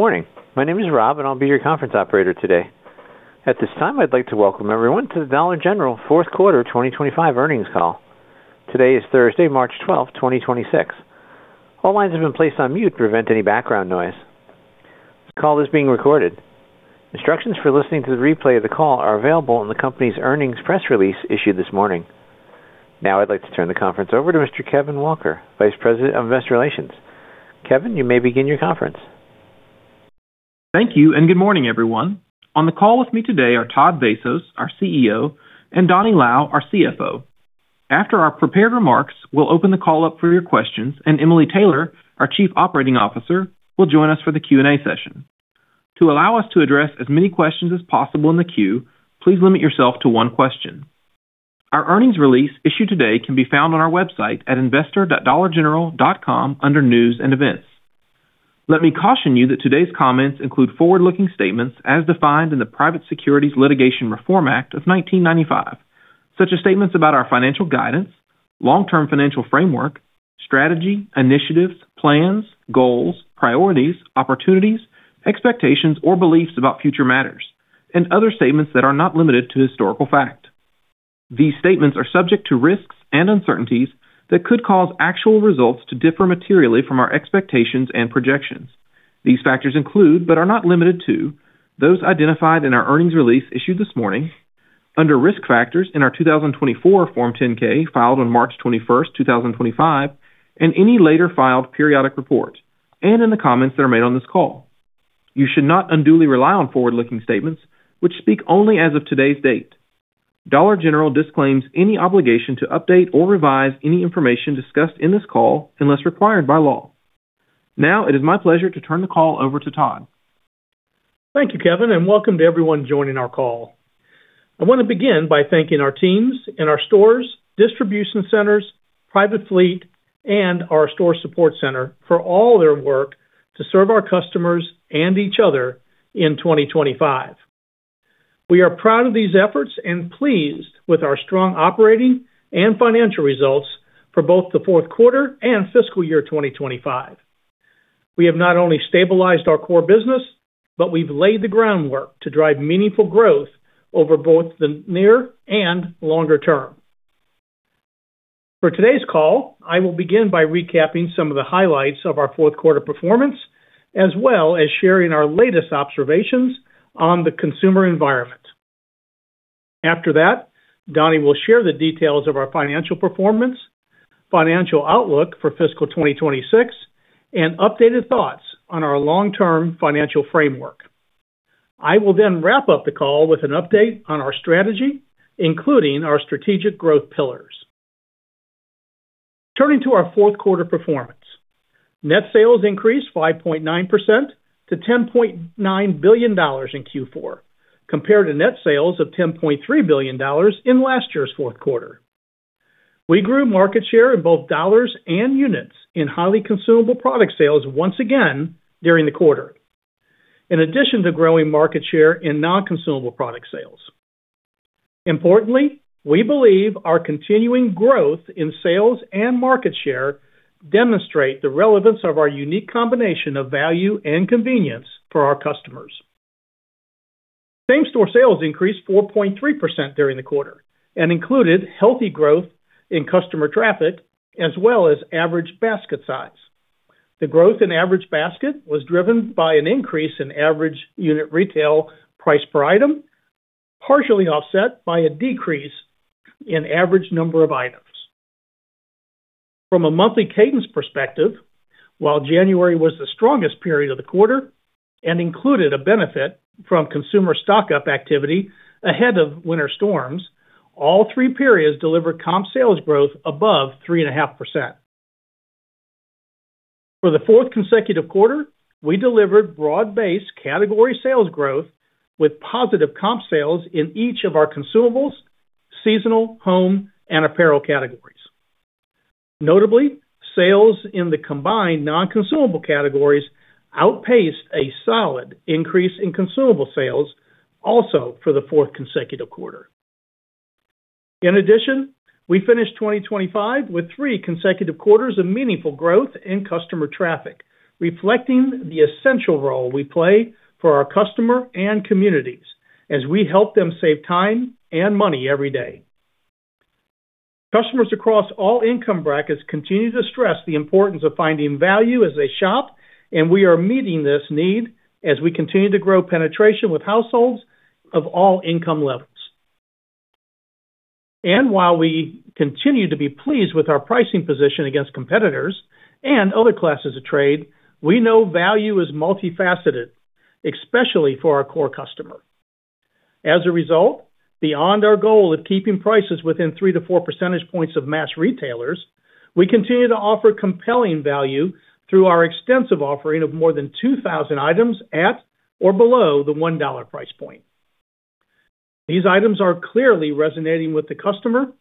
Good morning. My name is Rob, and I'll be your conference operator today. At this time, I'd like to welcome everyone to the Dollar General fourth quarter 2025 earnings call. Today is Thursday, March 12, 2026. All lines have been placed on mute to prevent any background noise. This call is being recorded. Instructions for listening to the replay of the call are available in the company's earnings press release issued this morning. Now I'd like to turn the conference over to Mr. Kevin Walker, Vice President of Investor Relations. Kevin, you may begin your conference. Thank you, and good morning, everyone. On the call with me today are Todd Vasos, our CEO, and Donny Lau, our CFO. After our prepared remarks, we'll open the call up for your questions, and Emily Taylor, our Chief Operating Officer, will join us for the Q&A session. To allow us to address as many questions as possible in the queue, please limit yourself to one question. Our earnings release issued today can be found on our website at investor.dollargeneral.com under news and events. Let me caution you that today's comments include forward-looking statements as defined in the Private Securities Litigation Reform Act of 1995, such as statements about our financial guidance, long-term financial framework, strategy, initiatives, plans, goals, priorities, opportunities, expectations, or beliefs about future matters, and other statements that are not limited to historical fact. These statements are subject to risks and uncertainties that could cause actual results to differ materially from our expectations and projections. These factors include, but are not limited to, those identified in our earnings release issued this morning, under risk factors in our 2024 Form 10-K filed on March 21, 2025, and any later filed periodic report, and in the comments that are made on this call. You should not unduly rely on forward-looking statements which speak only as of today's date. Dollar General disclaims any obligation to update or revise any information discussed in this call unless required by law. Now it is my pleasure to turn the call over to Todd. Thank you, Kevin, and welcome to everyone joining our call. I want to begin by thanking our teams in our stores, distribution centers, private fleet, and our store support center for all their work to serve our customers and each other in 2025. We are proud of these efforts and pleased with our strong operating and financial results for both the fourth quarter and fiscal year 2025. We have not only stabilized our core business, but we've laid the groundwork to drive meaningful growth over both the near and longer term. For today's call, I will begin by recapping some of the highlights of our fourth quarter performance, as well as sharing our latest observations on the consumer environment. After that, Donnie will share the details of our financial performance, financial outlook for fiscal 2026, and updated thoughts on our long-term financial framework. I will then wrap up the call with an update on our strategy, including our strategic growth pillars. Turning to our fourth quarter performance. Net sales increased 5.9% to $10.9 billion in Q4, compared to net sales of $10.3 billion in last year's fourth quarter. We grew market share in both dollars and units in highly consumable product sales once again during the quarter, in addition to growing market share in non-consumable product sales. Importantly, we believe our continuing growth in sales and market share demonstrate the relevance of our unique combination of value and convenience for our customers. Same-store sales increased 4.3% during the quarter and included healthy growth in customer traffic as well as average basket size. The growth in average basket was driven by an increase in average unit retail price per item, partially offset by a decrease in average number of items. From a monthly cadence perspective, while January was the strongest period of the quarter and included a benefit from consumer stock-up activity ahead of winter storms, all three periods delivered comp sales growth above 3.5%. For the fourth consecutive quarter, we delivered broad-based category sales growth with positive comp sales in each of our consumables, seasonal, home, and apparel categories. Notably, sales in the combined non-consumable categories outpaced a solid increase in consumable sales also for the fourth consecutive quarter. In addition, we finished 2025 with three consecutive quarters of meaningful growth in customer traffic, reflecting the essential role we play for our customer and communities as we help them save time and money every day. Customers across all income brackets continue to stress the importance of finding value as they shop, and we are meeting this need as we continue to grow penetration with households of all income levels. While we continue to be pleased with our pricing position against competitors and other classes of trade, we know value is multifaceted, especially for our core customer. As a result, beyond our goal of keeping prices within 3-4 percentage points of mass retailers, we continue to offer compelling value through our extensive offering of more than 2,000 items at or below the $1 price point. These items are clearly resonating with the customer,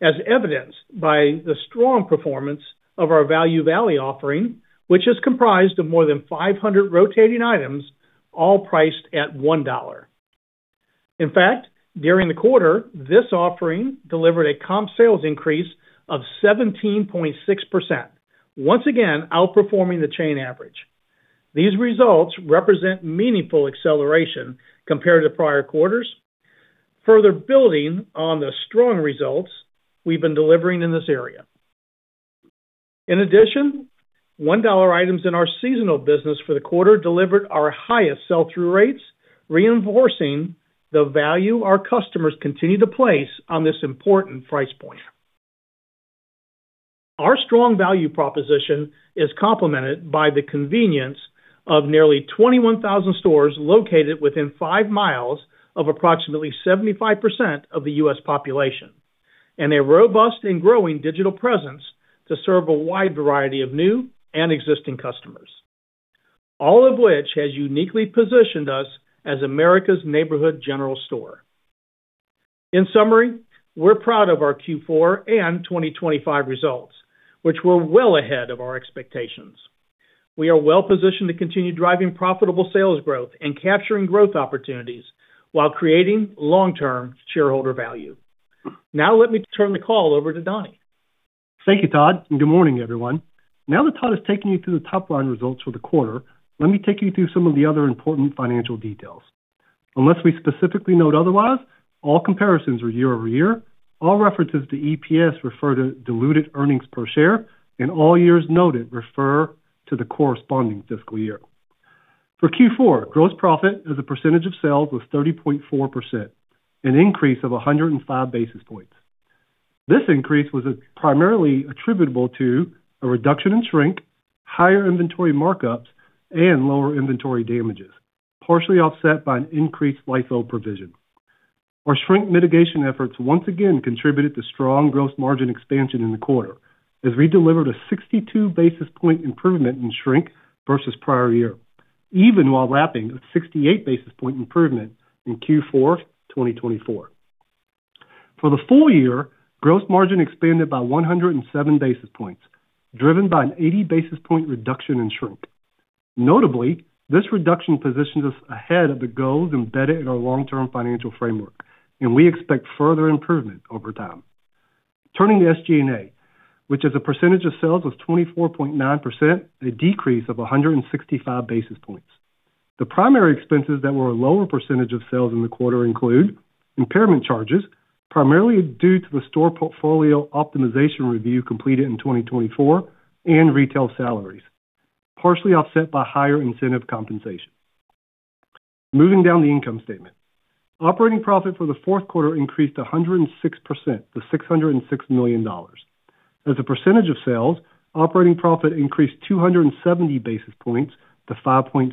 as evidenced by the strong performance of our Value Valley offering, which is comprised of more than 500 rotating items, all priced at $1. In fact, during the quarter, this offering delivered a comp sales increase of 17.6%, once again outperforming the chain average. These results represent meaningful acceleration compared to prior quarters, further building on the strong results we've been delivering in this area. In addition, $1 items in our seasonal business for the quarter delivered our highest sell-through rates, reinforcing the value our customers continue to place on this important price point. Our strong value proposition is complemented by the convenience of nearly 21,000 stores located within five miles of approximately 75% of the U.S. population, and a robust and growing digital presence to serve a wide variety of new and existing customers, all of which has uniquely positioned us as America's neighborhood general store. In summary, we're proud of our Q4 and 2025 results, which were well ahead of our expectations. We are well-positioned to continue driving profitable sales growth and capturing growth opportunities while creating long-term shareholder value. Now let me turn the call over to Donny. Thank you, Todd, and good morning, everyone. Now that Todd has taken you through the top-line results for the quarter, let me take you through some of the other important financial details. Unless we specifically note otherwise, all comparisons are year-over-year. All references to EPS refer to diluted earnings per share, and all years noted refer to the corresponding fiscal year. For Q4, gross profit as a percentage of sales was 30.4%, an increase of 105 basis points. This increase was primarily attributable to a reduction in shrink, higher inventory markups, and lower inventory damages, partially offset by an increased LIFO provision. Our shrink mitigation efforts once again contributed to strong gross margin expansion in the quarter, as we delivered a 62 basis point improvement in shrink versus prior year, even while lapping a 68 basis point improvement in Q4 2024. For the full year, gross margin expanded by 107 basis points, driven by an 80 basis point reduction in shrink. Notably, this reduction positions us ahead of the goals embedded in our long-term financial framework, and we expect further improvement over time. Turning to SG&A, which as a percentage of sales was 24.9%, a decrease of 165 basis points. The primary expenses that were a lower percentage of sales in the quarter include impairment charges, primarily due to the store portfolio optimization review completed in 2024 and retail salaries, partially offset by higher incentive compensation. Moving down the income statement. Operating profit for the fourth quarter increased 106% to $606 million. As a percentage of sales, operating profit increased 270 basis points to 5.6%.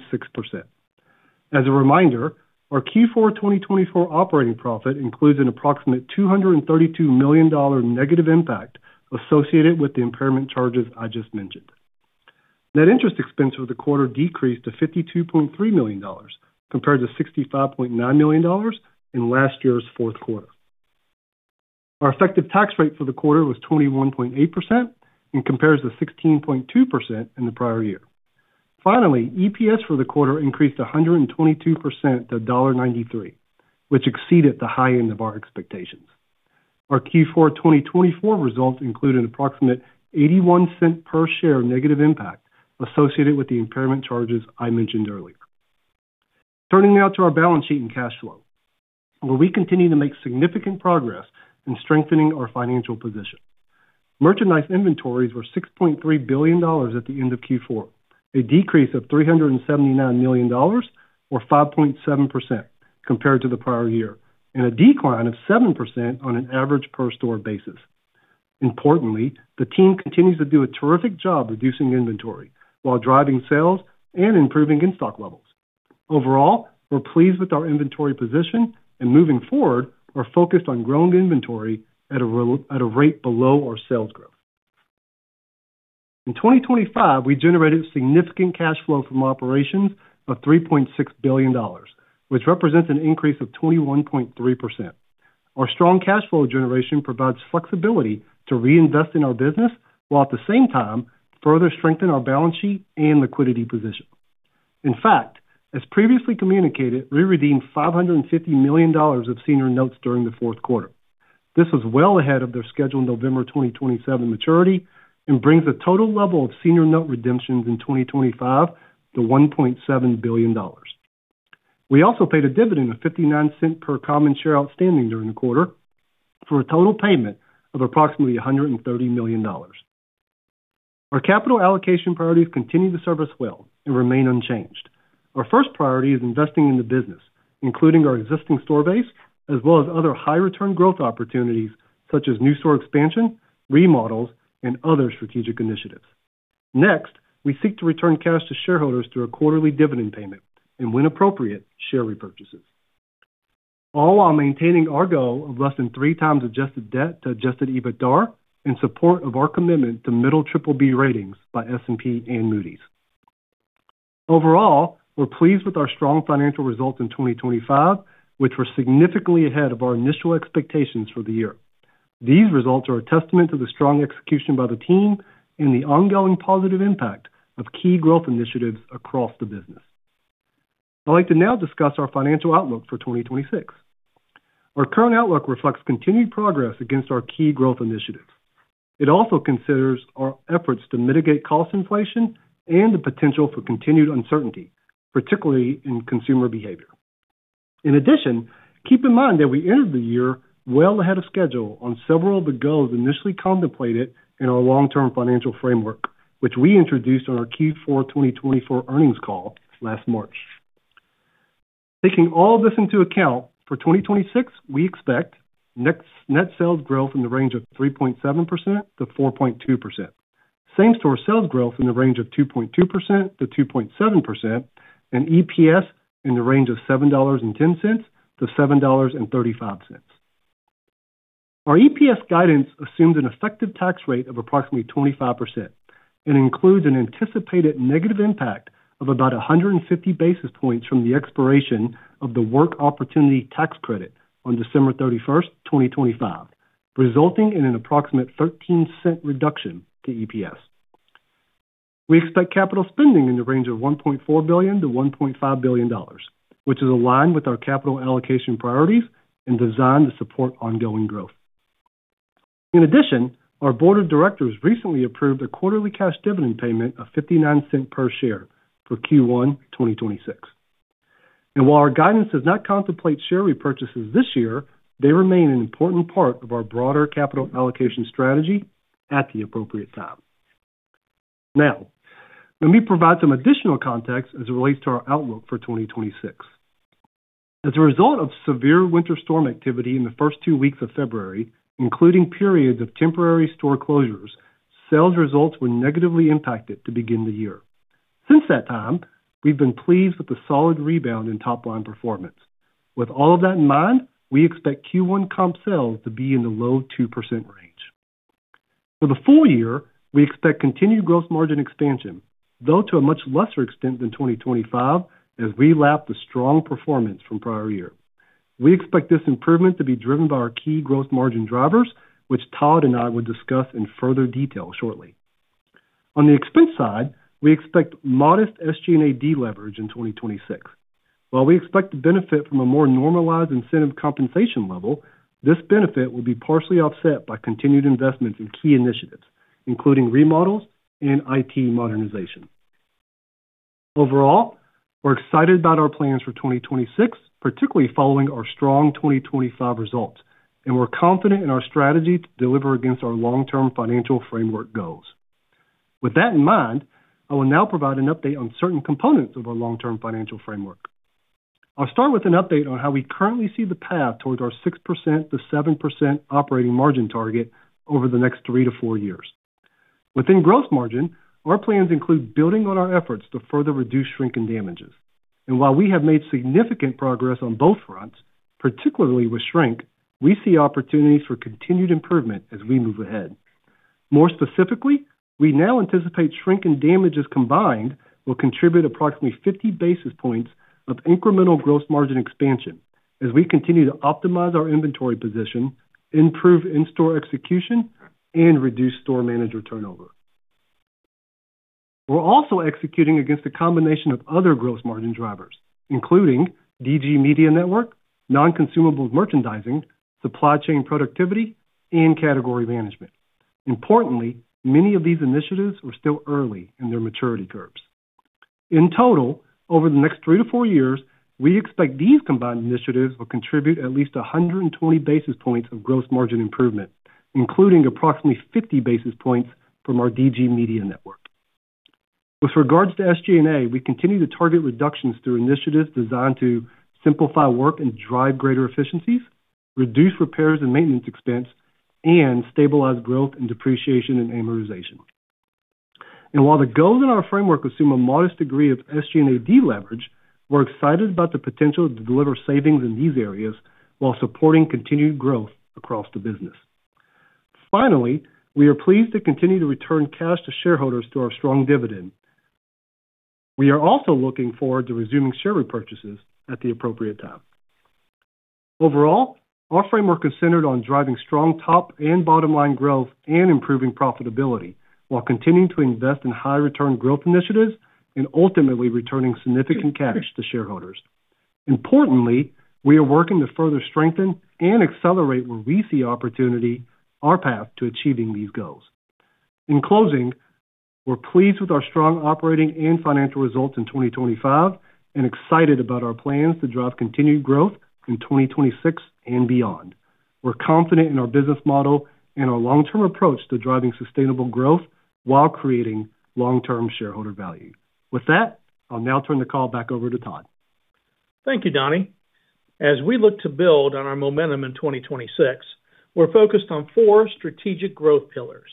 As a reminder, our Q4 2024 operating profit includes an approximate $232 million negative impact associated with the impairment charges I just mentioned. Net interest expense for the quarter decreased to $52.3 million compared to $65.9 million in last year's fourth quarter. Our effective tax rate for the quarter was 21.8% and compares to 16.2% in the prior year. Finally, EPS for the quarter increased 122% to $0.93, which exceeded the high end of our expectations. Our Q4 2024 results include an approximate $0.81 per share negative impact associated with the impairment charges I mentioned earlier. Turning now to our balance sheet and cash flow, where we continue to make significant progress in strengthening our financial position. Merchandise inventories were $6.3 billion at the end of Q4, a decrease of $379 million or 5.7% compared to the prior year, and a decline of 7% on an average per store basis. Importantly, the team continues to do a terrific job reducing inventory while driving sales and improving in-stock levels. Overall, we're pleased with our inventory position and moving forward, we're focused on growing inventory at a rate below our sales growth. In 2025, we generated significant cash flow from operations of $3.6 billion, which represents an increase of 21.3%. Our strong cash flow generation provides flexibility to reinvest in our business while at the same time further strengthen our balance sheet and liquidity position. In fact, as previously communicated, we redeemed $550 million of senior notes during the fourth quarter. This is well ahead of their scheduled November 2027 maturity and brings the total level of senior note redemptions in 2025 to $1.7 billion. We also paid a dividend of 59 cents per common share outstanding during the quarter for a total payment of approximately $130 million. Our capital allocation priorities continue to serve us well and remain unchanged. Our first priority is investing in the business, including our existing store base, as well as other high return growth opportunities such as new store expansion, remodels, and other strategic initiatives. Next, we seek to return cash to shareholders through our quarterly dividend payment and when appropriate, share repurchases, all while maintaining our goal of less than three times adjusted debt to adjusted EBITDAR in support of our commitment to middle BBB ratings by S&P and Moody's. Overall, we're pleased with our strong financial results in 2025, which were significantly ahead of our initial expectations for the year. These results are a testament to the strong execution by the team and the ongoing positive impact of key growth initiatives across the business. I'd like to now discuss our financial outlook for 2026. Our current outlook reflects continued progress against our key growth initiatives. It also considers our efforts to mitigate cost inflation and the potential for continued uncertainty, particularly in consumer behavior. In addition, keep in mind that we entered the year well ahead of schedule on several of the goals initially contemplated in our long-term financial framework, which we introduced on our Q4 2024 earnings call last March. Taking all of this into account, for 2026, we expect net sales growth in the range of 3.7%-4.2%. Same-store sales growth in the range of 2.2%-2.7%, and EPS in the range of $7.10-$7.35. Our EPS guidance assumes an effective tax rate of approximately 25% and includes an anticipated negative impact of about 150 basis points from the expiration of the Work Opportunity Tax Credit on December 31, 2025, resulting in an approximate 13-cent reduction to EPS. We expect capital spending in the range of $1.4 billion-$1.5 billion, which is aligned with our capital allocation priorities and designed to support ongoing growth. In addition, our board of directors recently approved a quarterly cash dividend payment of 59 cents per share for Q1 2026. While our guidance does not contemplate share repurchases this year, they remain an important part of our broader capital allocation strategy at the appropriate time. Now, let me provide some additional context as it relates to our outlook for 2026. As a result of severe winter storm activity in the first two weeks of February, including periods of temporary store closures, sales results were negatively impacted to begin the year. Since that time, we've been pleased with the solid rebound in top-line performance. With all of that in mind, we expect Q1 comp sales to be in the low 2% range. For the full year, we expect continued gross margin expansion, though to a much lesser extent than 2025, as we lap the strong performance from prior year. We expect this improvement to be driven by our key growth margin drivers, which Todd and I will discuss in further detail shortly. On the expense side, we expect modest SG&A deleverage in 2026. While we expect to benefit from a more normalized incentive compensation level, this benefit will be partially offset by continued investments in key initiatives, including remodels and IT modernization. Overall, we're excited about our plans for 2026, particularly following our strong 2025 results, and we're confident in our strategy to deliver against our long-term financial framework goals. With that in mind, I will now provide an update on certain components of our long-term financial framework. I'll start with an update on how we currently see the path towards our 6%-7% operating margin target over the next 3-4 years. Within gross margin, our plans include building on our efforts to further reduce shrink and damages. While we have made significant progress on both fronts, particularly with shrink, we see opportunities for continued improvement as we move ahead. More specifically, we now anticipate shrink and damages combined will contribute approximately 50 basis points of incremental gross margin expansion as we continue to optimize our inventory position, improve in-store execution, and reduce store manager turnover. We're also executing against a combination of other gross margin drivers, including DG Media Network, non-consumables merchandising, supply chain productivity, and category management. Importantly, many of these initiatives are still early in their maturity curves. In total, over the next 3-4 years, we expect these combined initiatives will contribute at least 120 basis points of gross margin improvement, including approximately 50 basis points from our DG Media Network. With regards to SG&A, we continue to target reductions through initiatives designed to simplify work and drive greater efficiencies, reduce repairs and maintenance expense, and stabilize growth and depreciation and amortization. While the goals in our framework assume a modest degree of SG&A deleverage, we're excited about the potential to deliver savings in these areas while supporting continued growth across the business. Finally, we are pleased to continue to return cash to shareholders through our strong dividend. We are also looking forward to resuming share repurchases at the appropriate time. Overall, our framework is centered on driving strong top and bottom line growth and improving profitability while continuing to invest in high return growth initiatives and ultimately returning significant cash to shareholders. Importantly, we are working to further strengthen and accelerate where we see opportunity, our path to achieving these goals. In closing, we're pleased with our strong operating and financial results in 2025 and excited about our plans to drive continued growth in 2026 and beyond. We're confident in our business model and our long-term approach to driving sustainable growth while creating long-term shareholder value. With that, I'll now turn the call back over to Todd. Thank you, Donny. As we look to build on our momentum in 2026, we're focused on four strategic growth pillars,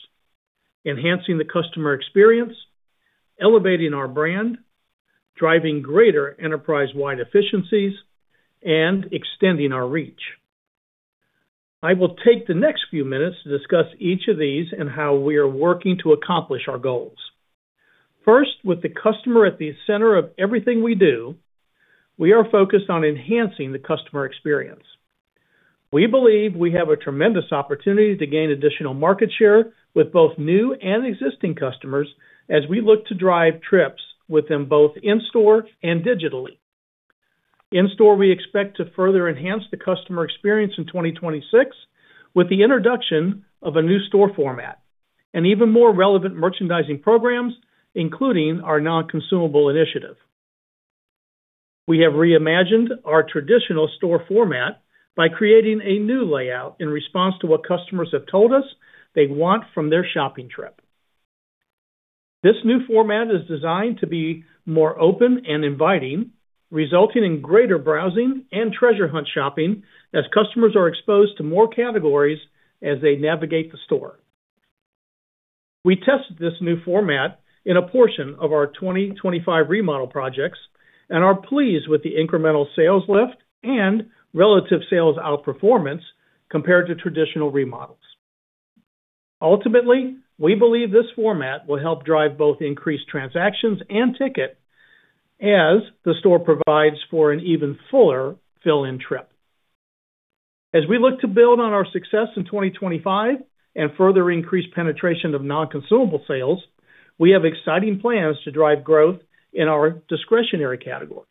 enhancing the customer experience, elevating our brand, driving greater enterprise-wide efficiencies, and extending our reach. I will take the next few minutes to discuss each of these and how we are working to accomplish our goals. First, with the customer at the center of everything we do, we are focused on enhancing the customer experience. We believe we have a tremendous opportunity to gain additional market share with both new and existing customers as we look to drive trips with them both in-store and digitally. In-store, we expect to further enhance the customer experience in 2026 with the introduction of a new store format, and even more relevant merchandising programs, including our non-consumable initiative. We have reimagined our traditional store format by creating a new layout in response to what customers have told us they want from their shopping trip. This new format is designed to be more open and inviting, resulting in greater browsing and treasure hunt shopping as customers are exposed to more categories as they navigate the store. We tested this new format in a portion of our 2025 remodel projects and are pleased with the incremental sales lift and relative sales outperformance compared to traditional remodels. Ultimately, we believe this format will help drive both increased transactions and ticket as the store provides for an even fuller fill-in trip. As we look to build on our success in 2025 and further increase penetration of non-consumable sales, we have exciting plans to drive growth in our discretionary categories.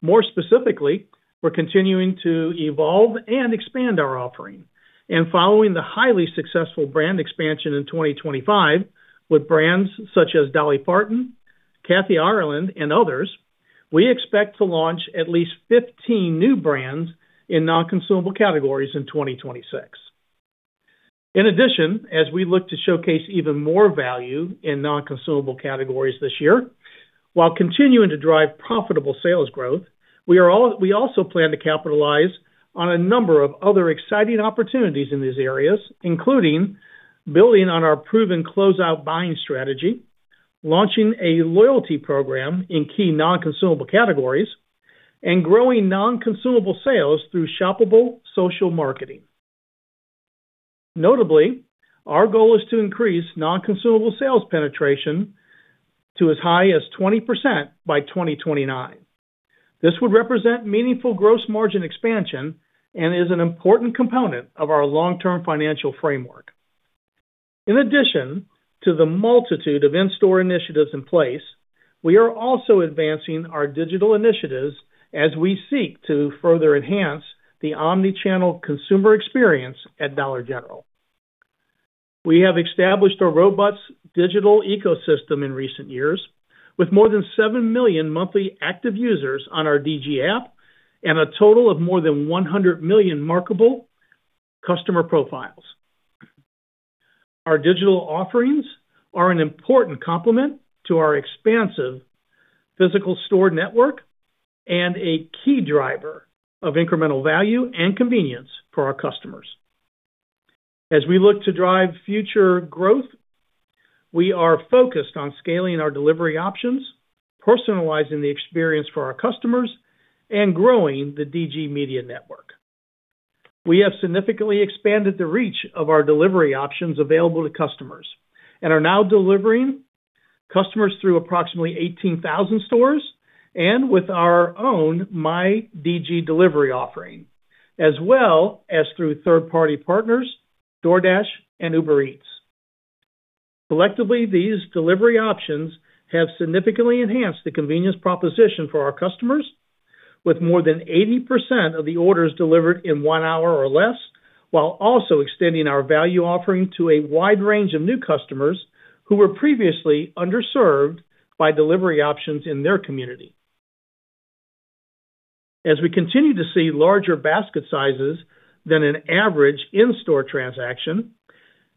More specifically, we're continuing to evolve and expand our offering. Following the highly successful brand expansion in 2025 with brands such as Dolly Parton, Kathy Ireland, and others, we expect to launch at least 15 new brands in non-consumable categories in 2026. In addition, as we look to showcase even more value in non-consumable categories this year, while continuing to drive profitable sales growth, we also plan to capitalize on a number of other exciting opportunities in these areas, including building on our proven closeout buying strategy, launching a loyalty program in key non-consumable categories, and growing non-consumable sales through Shoppable Social marketing. Notably, our goal is to increase non-consumable sales penetration to as high as 20% by 2029. This would represent meaningful gross margin expansion and is an important component of our long-term financial framework. In addition to the multitude of in-store initiatives in place, we are also advancing our digital initiatives as we seek to further enhance the omni-channel consumer experience at Dollar General. We have established a robust digital ecosystem in recent years with more than 7 million monthly active users on our DG app and a total of more than 100 million marketable customer profiles. Our digital offerings are an important complement to our expansive physical store network and a key driver of incremental value and convenience for our customers. As we look to drive future growth, we are focused on scaling our delivery options, personalizing the experience for our customers, and growing the DG Media Network. We have significantly expanded the reach of our delivery options available to customers and are now delivering customers through approximately 18,000 stores, and with our own myDG delivery offering, as well as through third-party partners, DoorDash, and Uber Eats. Collectively, these delivery options have significantly enhanced the convenience proposition for our customers with more than 80% of the orders delivered in 1 hour or less, while also extending our value offering to a wide range of new customers who were previously underserved by delivery options in their community. As we continue to see larger basket sizes than an average in-store transaction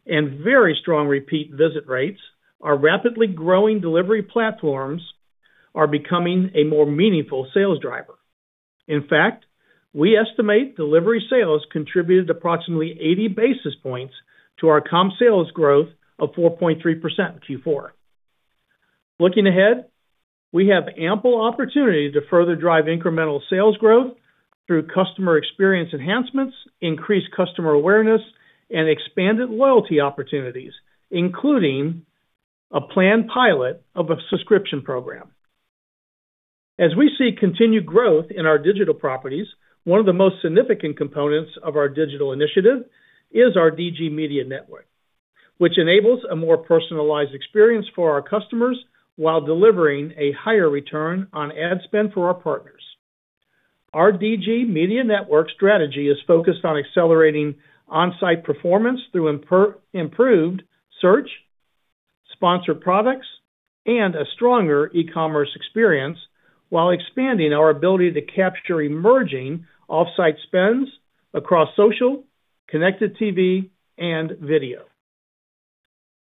and very strong repeat visit rates, our rapidly growing delivery platforms are becoming a more meaningful sales driver. In fact, we estimate delivery sales contributed approximately 80 basis points to our comp sales growth of 4.3% in Q4. Looking ahead, we have ample opportunity to further drive incremental sales growth through customer experience enhancements, increased customer awareness, and expanded loyalty opportunities, including a planned pilot of a subscription program. As we see continued growth in our digital properties, one of the most significant components of our digital initiative is our DG Media Network, which enables a more personalized experience for our customers while delivering a higher return on ad spend for our partners. Our DG Media Network strategy is focused on accelerating on-site performance through improved search, sponsored products, and a stronger e-commerce experience while expanding our ability to capture emerging off-site spends across social, connected TV, and video.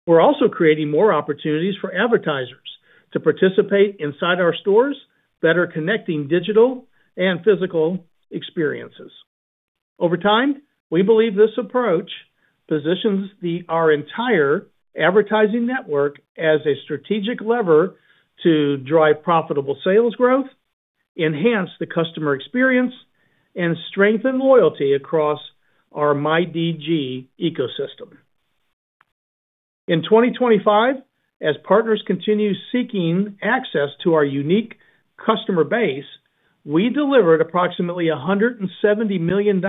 We're also creating more opportunities for advertisers to participate inside our stores, better connecting digital and physical experiences. Over time, we believe this approach positions our entire advertising network as a strategic lever to drive profitable sales growth. Enhance the customer experience and strengthen loyalty across our myDG ecosystem. In 2025, as partners continue seeking access to our unique customer base, we delivered approximately $170 million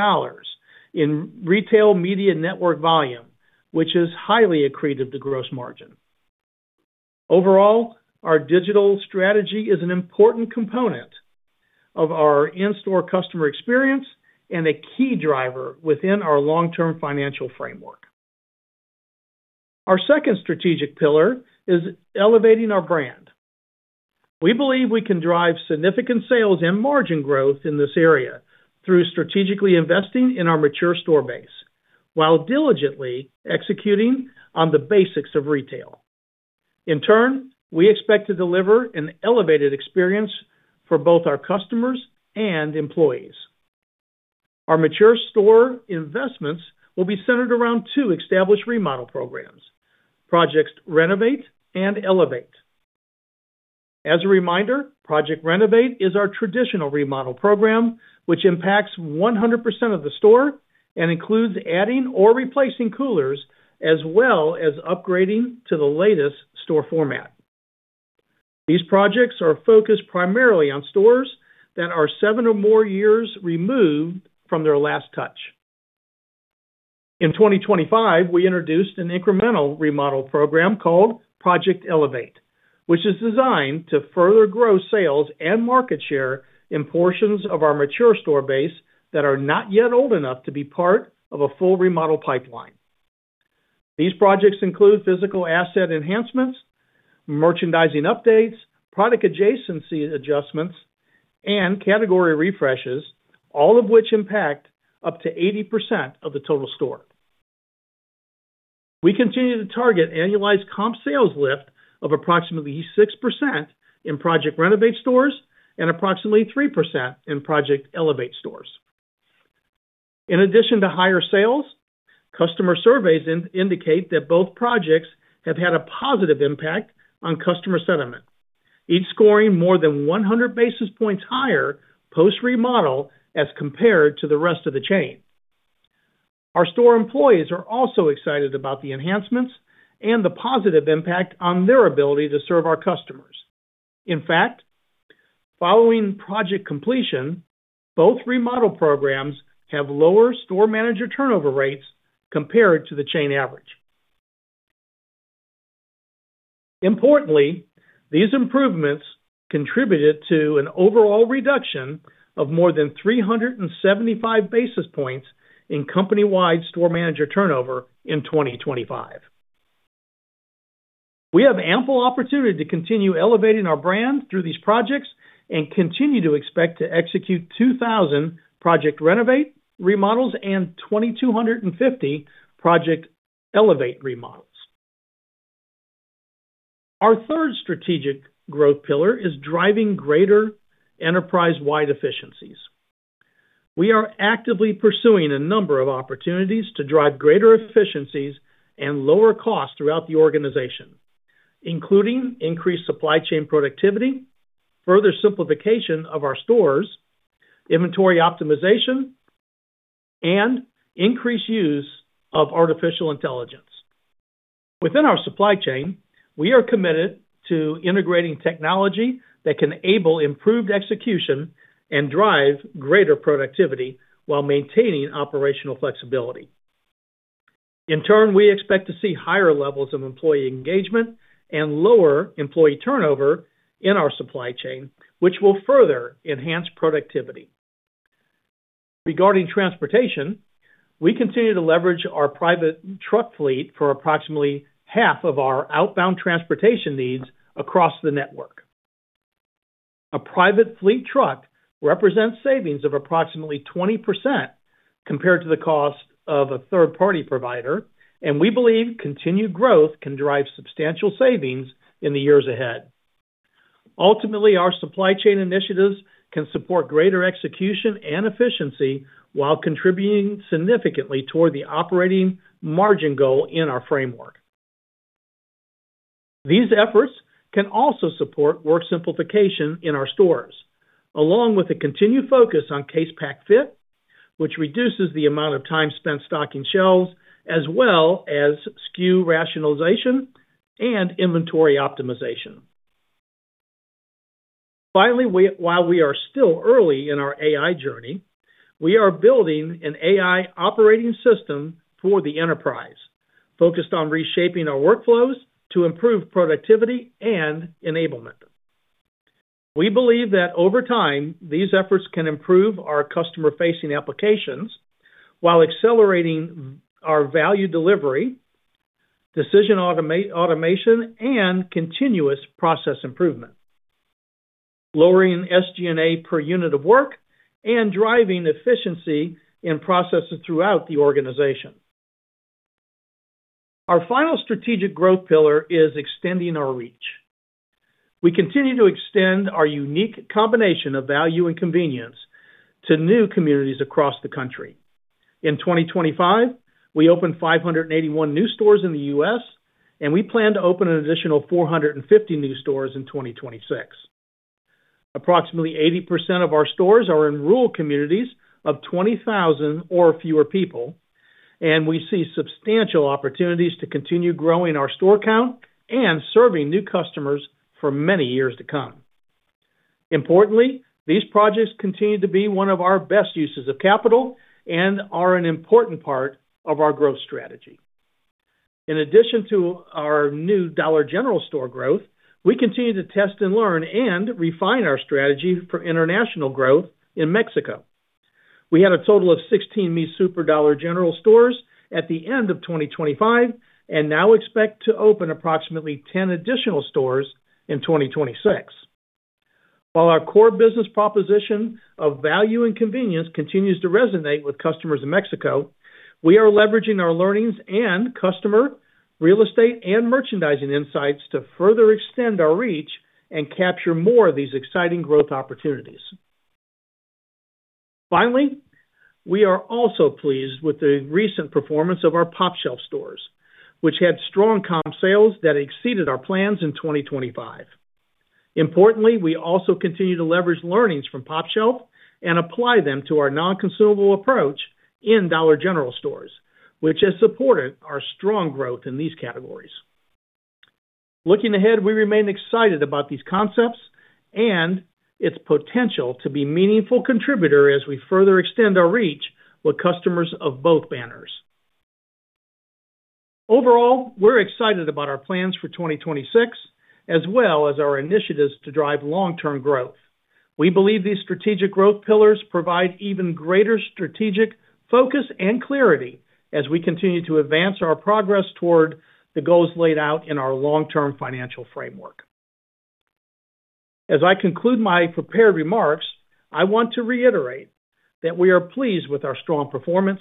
in retail media network volume, which has highly accreted the gross margin. Overall, our digital strategy is an important component of our in-store customer experience and a key driver within our long-term financial framework. Our second strategic pillar is elevating our brand. We believe we can drive significant sales and margin growth in this area through strategically investing in our mature store base while diligently executing on the basics of retail. In turn, we expect to deliver an elevated experience for both our customers and employees. Our mature store investments will be centered around two established remodel programs, Project Renovate and Project Elevate. As a reminder, Project Renovate is our traditional remodel program, which impacts 100% of the store and includes adding or replacing coolers, as well as upgrading to the latest store format. These projects are focused primarily on stores that are 7 or more years removed from their last touch. In 2025, we introduced an incremental remodel program called Project Elevate, which is designed to further grow sales and market share in portions of our mature store base that are not yet old enough to be part of a full remodel pipeline. These projects include physical asset enhancements, merchandising updates, product adjacency adjustments, and category refreshes, all of which impact up to 80% of the total store. We continue to target annualized comp sales lift of approximately 6% in Project Renovate stores and approximately 3% in Project Elevate stores. In addition to higher sales, customer surveys indicate that both projects have had a positive impact on customer sentiment, each scoring more than 100 basis points higher post-remodel as compared to the rest of the chain. Our store employees are also excited about the enhancements and the positive impact on their ability to serve our customers. In fact, following project completion, both remodel programs have lower store manager turnover rates compared to the chain average. Importantly, these improvements contributed to an overall reduction of more than 375 basis points in company-wide store manager turnover in 2025. We have ample opportunity to continue elevating our brand through these projects and continue to expect to execute 2,000 Project Renovate remodels and 2,250 Project Elevate remodels. Our third strategic growth pillar is driving greater enterprise-wide efficiencies. We are actively pursuing a number of opportunities to drive greater efficiencies and lower costs throughout the organization, including increased supply chain productivity, further simplification of our stores, inventory optimization, and increased use of artificial intelligence. Within our supply chain, we are committed to integrating technology that can enable improved execution and drive greater productivity while maintaining operational flexibility. In turn, we expect to see higher levels of employee engagement and lower employee turnover in our supply chain, which will further enhance productivity. Regarding transportation, we continue to leverage our private truck fleet for approximately half of our outbound transportation needs across the network. A private fleet truck represents savings of approximately 20% compared to the cost of a third-party provider, and we believe continued growth can drive substantial savings in the years ahead. Ultimately, our supply chain initiatives can support greater execution and efficiency while contributing significantly toward the operating margin goal in our framework. These efforts can also support work simplification in our stores, along with a continued focus on case pack fit, which reduces the amount of time spent stocking shelves, as well as SKU rationalization and inventory optimization. Finally, while we are still early in our AI journey, we are building an AI operating system for the enterprise focused on reshaping our workflows to improve productivity and enablement. We believe that over time, these efforts can improve our customer-facing applications while accelerating our value delivery, decision automation, and continuous process improvement, lowering SG&A per unit of work and driving efficiency in processes throughout the organization. Our final strategic growth pillar is extending our reach. We continue to extend our unique combination of value and convenience to new communities across the country. In 2025, we opened 581 new stores in the U.S., and we plan to open an additional 450 new stores in 2026. Approximately 80% of our stores are in rural communities of 20,000 or fewer people, and we see substantial opportunities to continue growing our store count and serving new customers for many years to come. Importantly, these projects continue to be one of our best uses of capital and are an important part of our growth strategy. In addition to our new Dollar General store growth, we continue to test and learn and refine our strategy for international growth in Mexico. We had a total of 16 Mi Súper Dollar General stores at the end of 2025 and now expect to open approximately 10 additional stores in 2026. While our core business proposition of value and convenience continues to resonate with customers in Mexico, we are leveraging our learnings and customer, real estate, and merchandising insights to further extend our reach and capture more of these exciting growth opportunities. Finally, we are also pleased with the recent performance of our pOpshelf stores, which had strong comp sales that exceeded our plans in 2025. Importantly, we also continue to leverage learnings from pOpshelf and apply them to our non-consumable approach in Dollar General stores, which has supported our strong growth in these categories. Looking ahead, we remain excited about these concepts and its potential to be meaningful contributor as we further extend our reach with customers of both banners. Overall, we're excited about our plans for 2026 as well as our initiatives to drive long-term growth. We believe these strategic growth pillars provide even greater strategic focus and clarity as we continue to advance our progress toward the goals laid out in our long-term financial framework. As I conclude my prepared remarks, I want to reiterate that we are pleased with our strong performance,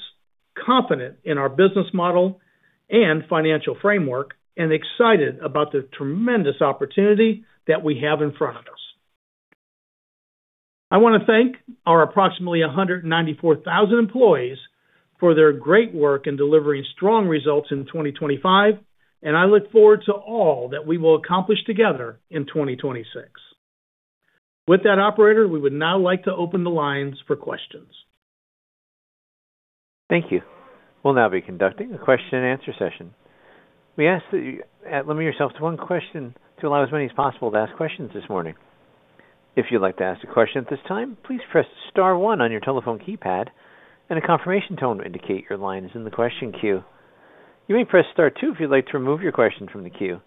confident in our business model and financial framework, and excited about the tremendous opportunity that we have in front of us. I wanna thank our approximately 194,000 employees for their great work in delivering strong results in 2025, and I look forward to all that we will accomplish together in 2026. With that, operator, we would now like to open the lines for questions. Thank you. We'll now be conducting a question and answer session. We ask that you limit yourself to one question to allow as many as possible to ask questions this morning. If you'd like to ask a question at this time, please press star one on your telephone keypad, and a confirmation tone to indicate your line is in the question queue. You may press star two if you'd like to remove your question from the queue.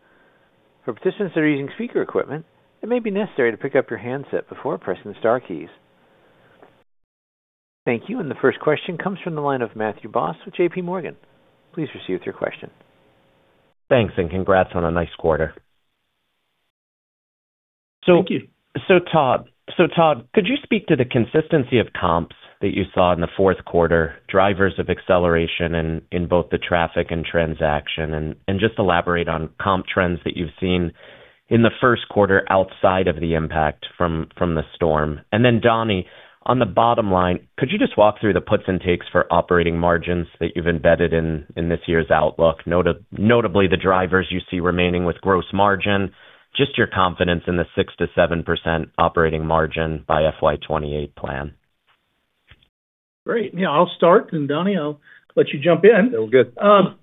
For participants that are using speaker equipment, it may be necessary to pick up your handset before pressing the star keys. Thank you. The first question comes from the line of Matthew Boss with J.P. Morgan. Please proceed with your question. Thanks, and congrats on a nice quarter. Thank you. Todd, could you speak to the consistency of comps that you saw in the fourth quarter, drivers of acceleration in both the traffic and transaction, and just elaborate on comp trends that you've seen in the first quarter outside of the impact from the storm? Donny, on the bottom line, could you just walk through the puts and takes for operating margins that you've embedded in this year's outlook, notably the drivers you see remaining with gross margin, just your confidence in the 6%-7% operating margin by FY 2028 plan. Great. Yeah, I'll start, and Donny, I'll let you jump in. Sounds good.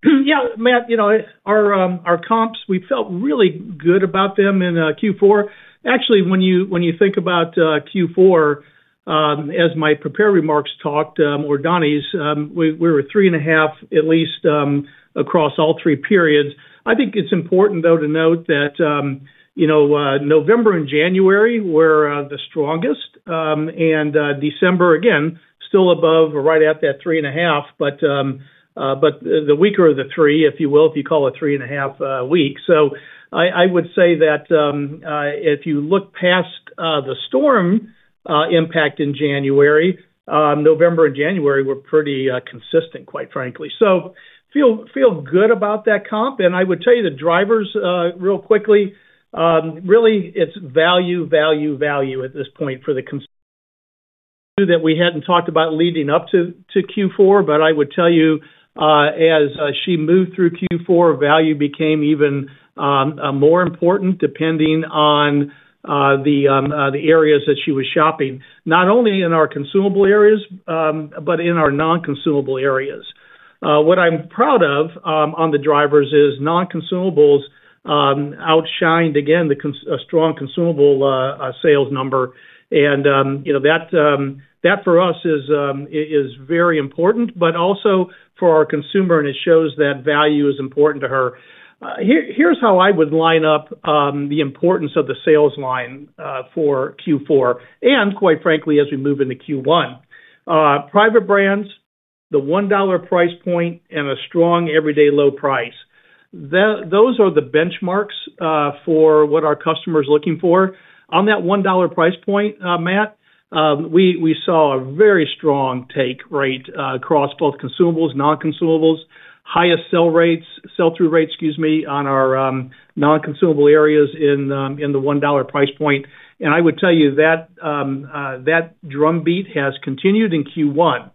Yeah, Matt, you know, our comps, we felt really good about them in Q4. Actually, when you think about Q4, as my prepared remarks talked or Donnie's, we were 3.5, at least, across all three periods. I think it's important, though, to note that you know, November and January were the strongest and December, again, still above or right at that 3.5, but the weaker of the three, if you will, if you call it 3.5 week. I would say that if you look past the storm impact in January, November and January were pretty consistent, quite frankly. Feel good about that comp. I would tell you the drivers really quickly. Really it's value at this point for the consumables that we hadn't talked about leading up to Q4, but I would tell you, as she moved through Q4, value became even more important depending on the areas that she was shopping, not only in our consumable areas, but in our non-consumable areas. What I'm proud of on the drivers is non-consumables outshined again a strong consumable sales number. You know that for us is very important, but also for our consumer, and it shows that value is important to her. Here's how I would line up the importance of the sales line for Q4, and quite frankly, as we move into Q1. Private brands, the one dollar price point, and a strong everyday low price. Those are the benchmarks for what our customer's looking for. On that one dollar price point, Matt, we saw a very strong take rate across both consumables, non-consumables. Highest sell rates, sell-through rate, excuse me, on our non-consumable areas in the one dollar price point. I would tell you that drumbeat has continued in Q1.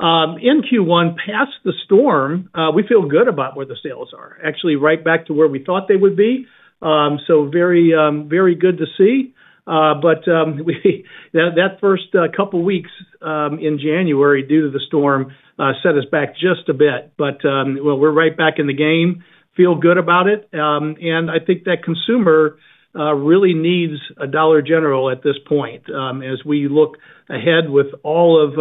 In Q1, past the storm, we feel good about where the sales are. Actually right back to where we thought they would be. Very good to see. That first couple weeks in January, due to the storm, set us back just a bit. But, well, we're right back in the game. Feel good about it. I think that consumer really needs a Dollar General at this point, as we look ahead with all of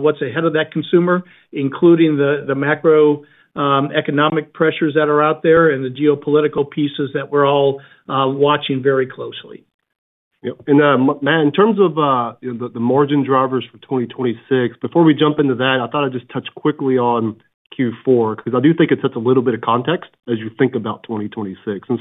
what's ahead of that consumer, including the macro economic pressures that are out there and the geopolitical pieces that we're all watching very closely. Yep. Matthew Boss, in terms of, you know, the margin drivers for 2026, before we jump into that, I thought I'd just touch quickly on Q4, because I do think it sets a little bit of context as you think about 2026. You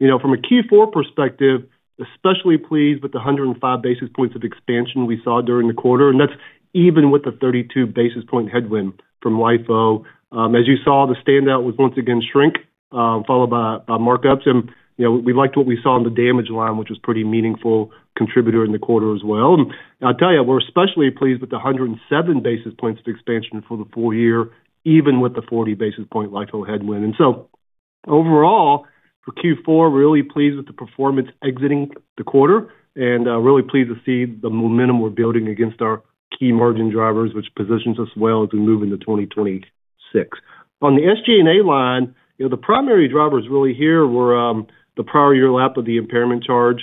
know, from a Q4 perspective, especially pleased with the 105 basis points of expansion we saw during the quarter. That's even with the 32 basis point headwind from LIFO. As you saw, the standout was once again shrink, followed by markups. You know, we liked what we saw on the damage line, which was pretty meaningful contributor in the quarter as well. I'll tell you, we're especially pleased with the 107 basis points of expansion for the full year, even with the 40 basis point LIFO headwind. Overall, for Q4, really pleased with the performance exiting the quarter and really pleased to see the momentum we're building against our key margin drivers, which positions us well as we move into 2026. On the SG&A line, you know, the primary drivers really here were the prior year lap of the impairment charge.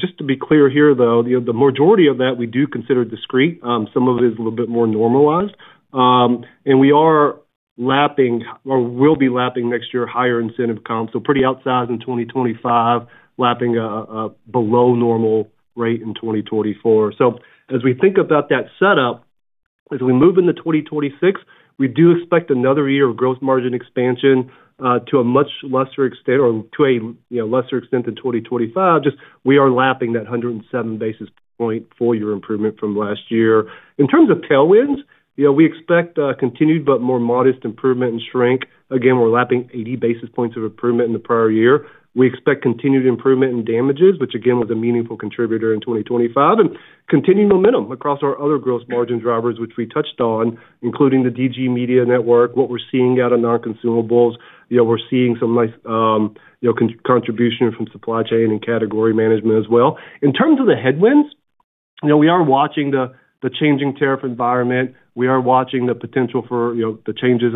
Just to be clear here, though, you know, the majority of that we do consider discrete. Some of it is a little bit more normalized. We are lapping or will be lapping next year higher incentive comp. Pretty outsized in 2025, lapping a below normal rate in 2024. As we think about that setup, as we move into 2026, we do expect another year of growth margin expansion to a much lesser extent or to a lesser extent than 2025. We are lapping that 107 basis point full year improvement from last year. In terms of tailwinds, we expect continued but more modest improvement in shrink. Again, we're lapping 80 basis points of improvement in the prior year. We expect continued improvement in damages, which again, was a meaningful contributor in 2025. Continued momentum across our other gross margin drivers, which we touched on, including the DG Media Network, what we're seeing out of non-consumables. We're seeing some nice contribution from supply chain and category management as well. In terms of the headwinds, you know, we are watching the changing tariff environment. We are watching the potential for, you know, the changes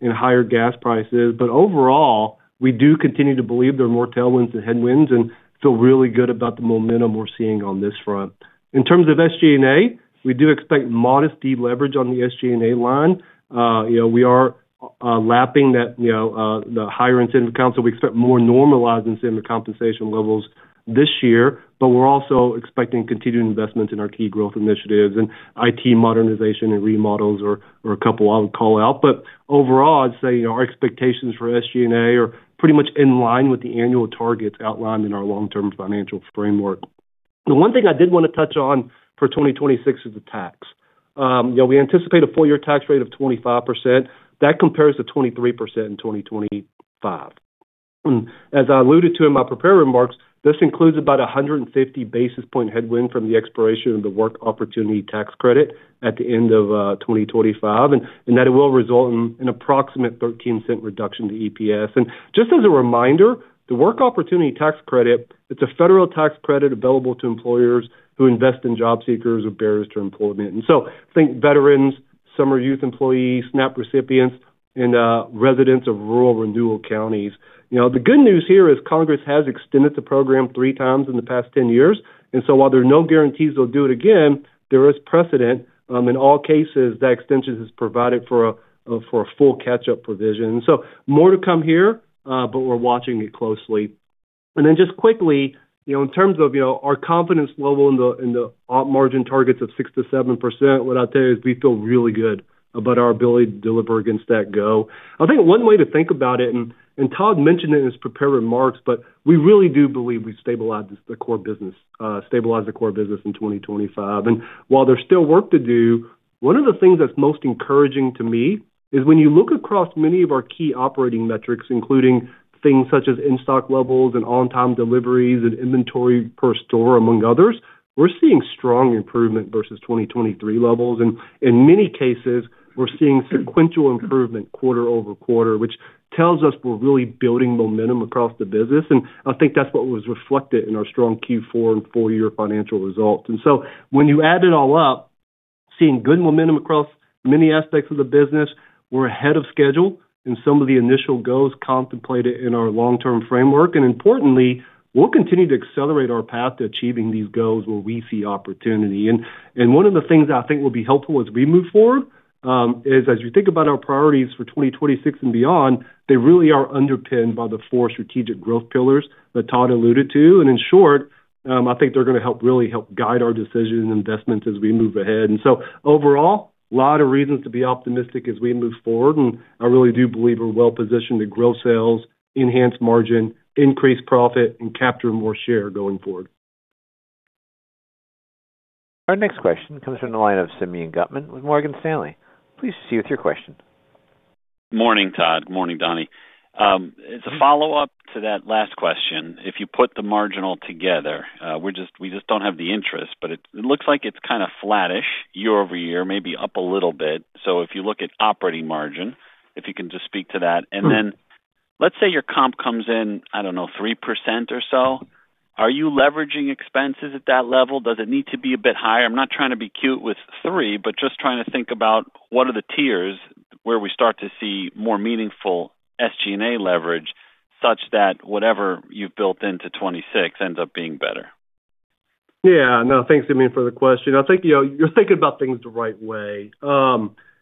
in higher gas prices. Overall, we do continue to believe there are more tailwinds than headwinds and feel really good about the momentum we're seeing on this front. In terms of SG&A, we do expect modest deleverage on the SG&A line. You know, we are lapping that, you know, the higher incentive comp. We expect more normalized incentive compensation levels this year. We're also expecting continued investments in our key growth initiatives and IT modernization and remodels are a couple I would call out. Overall, I'd say, you know, our expectations for SG&A are pretty much in line with the annual targets outlined in our long-term financial framework. The one thing I did wanna touch on for 2026 is the tax. You know, we anticipate a full year tax rate of 25%. That compares to 23% in 2025. As I alluded to in my prepared remarks, this includes about 150 basis points headwind from the expiration of the Work Opportunity Tax Credit at the end of 2025, and that it will result in an approximate $0.13 reduction to EPS. Just as a reminder, the Work Opportunity Tax Credit, it's a federal tax credit available to employers who invest in job seekers with barriers to employment. Think veterans, summer youth employees, SNAP recipients, and residents of rural renewal counties. You know, the good news here is Congress has extended the program three times in the past 10 years. While there are no guarantees they'll do it again, there is precedent in all cases that extensions is provided for a full catch-up provision. More to come here, but we're watching it closely. Just quickly, you know, in terms of, you know, our confidence level in the op margin targets of 6%-7%, what I'd say is we feel really good about our ability to deliver against that goal. I think one way to think about it, and Todd mentioned it in his prepared remarks, but we really do believe we've stabilized the core business in 2025. While there's still work to do, one of the things that's most encouraging to me is when you look across many of our key operating metrics, including things such as in-stock levels and on-time deliveries and inventory per store, among others, we're seeing strong improvement versus 2023 levels. In many cases, we're seeing sequential improvement quarter-over-quarter, which tells us we're really building momentum across the business. I think that's what was reflected in our strong Q4 and full year financial results. When you add it all up, seeing good momentum across many aspects of the business, we're ahead of schedule in some of the initial goals contemplated in our long-term framework. Importantly, we'll continue to accelerate our path to achieving these goals where we see opportunity. One of the things I think will be helpful as we move forward is as you think about our priorities for 2026 and beyond, they really are underpinned by the four strategic growth pillars that Todd alluded to. In short, I think they're gonna help, really help guide our decisions and investments as we move ahead. Overall, a lot of reasons to be optimistic as we move forward. I really do believe we're well positioned to grow sales, enhance margin, increase profit, and capture more share going forward. Our next question comes from the line of Simeon Gutman with Morgan Stanley. Please proceed with your question. Morning, Todd. Morning, Donnie. As a follow-up to that last question, if you put the margins altogether, we just don't have the interest, but it looks like it's kind of flattish year-over-year, maybe up a little bit. If you look at operating margin, if you can just speak to that. Then let's say your comp comes in, I don't know, 3% or so, are you leveraging expenses at that level? Does it need to be a bit higher? I'm not trying to be cute with three, but just trying to think about what are the tiers where we start to see more meaningful SG&A leverage such that whatever you've built into 2026 ends up being better. Yeah. No, thanks, Simeon, for the question. I think, you know, you're thinking about things the right way.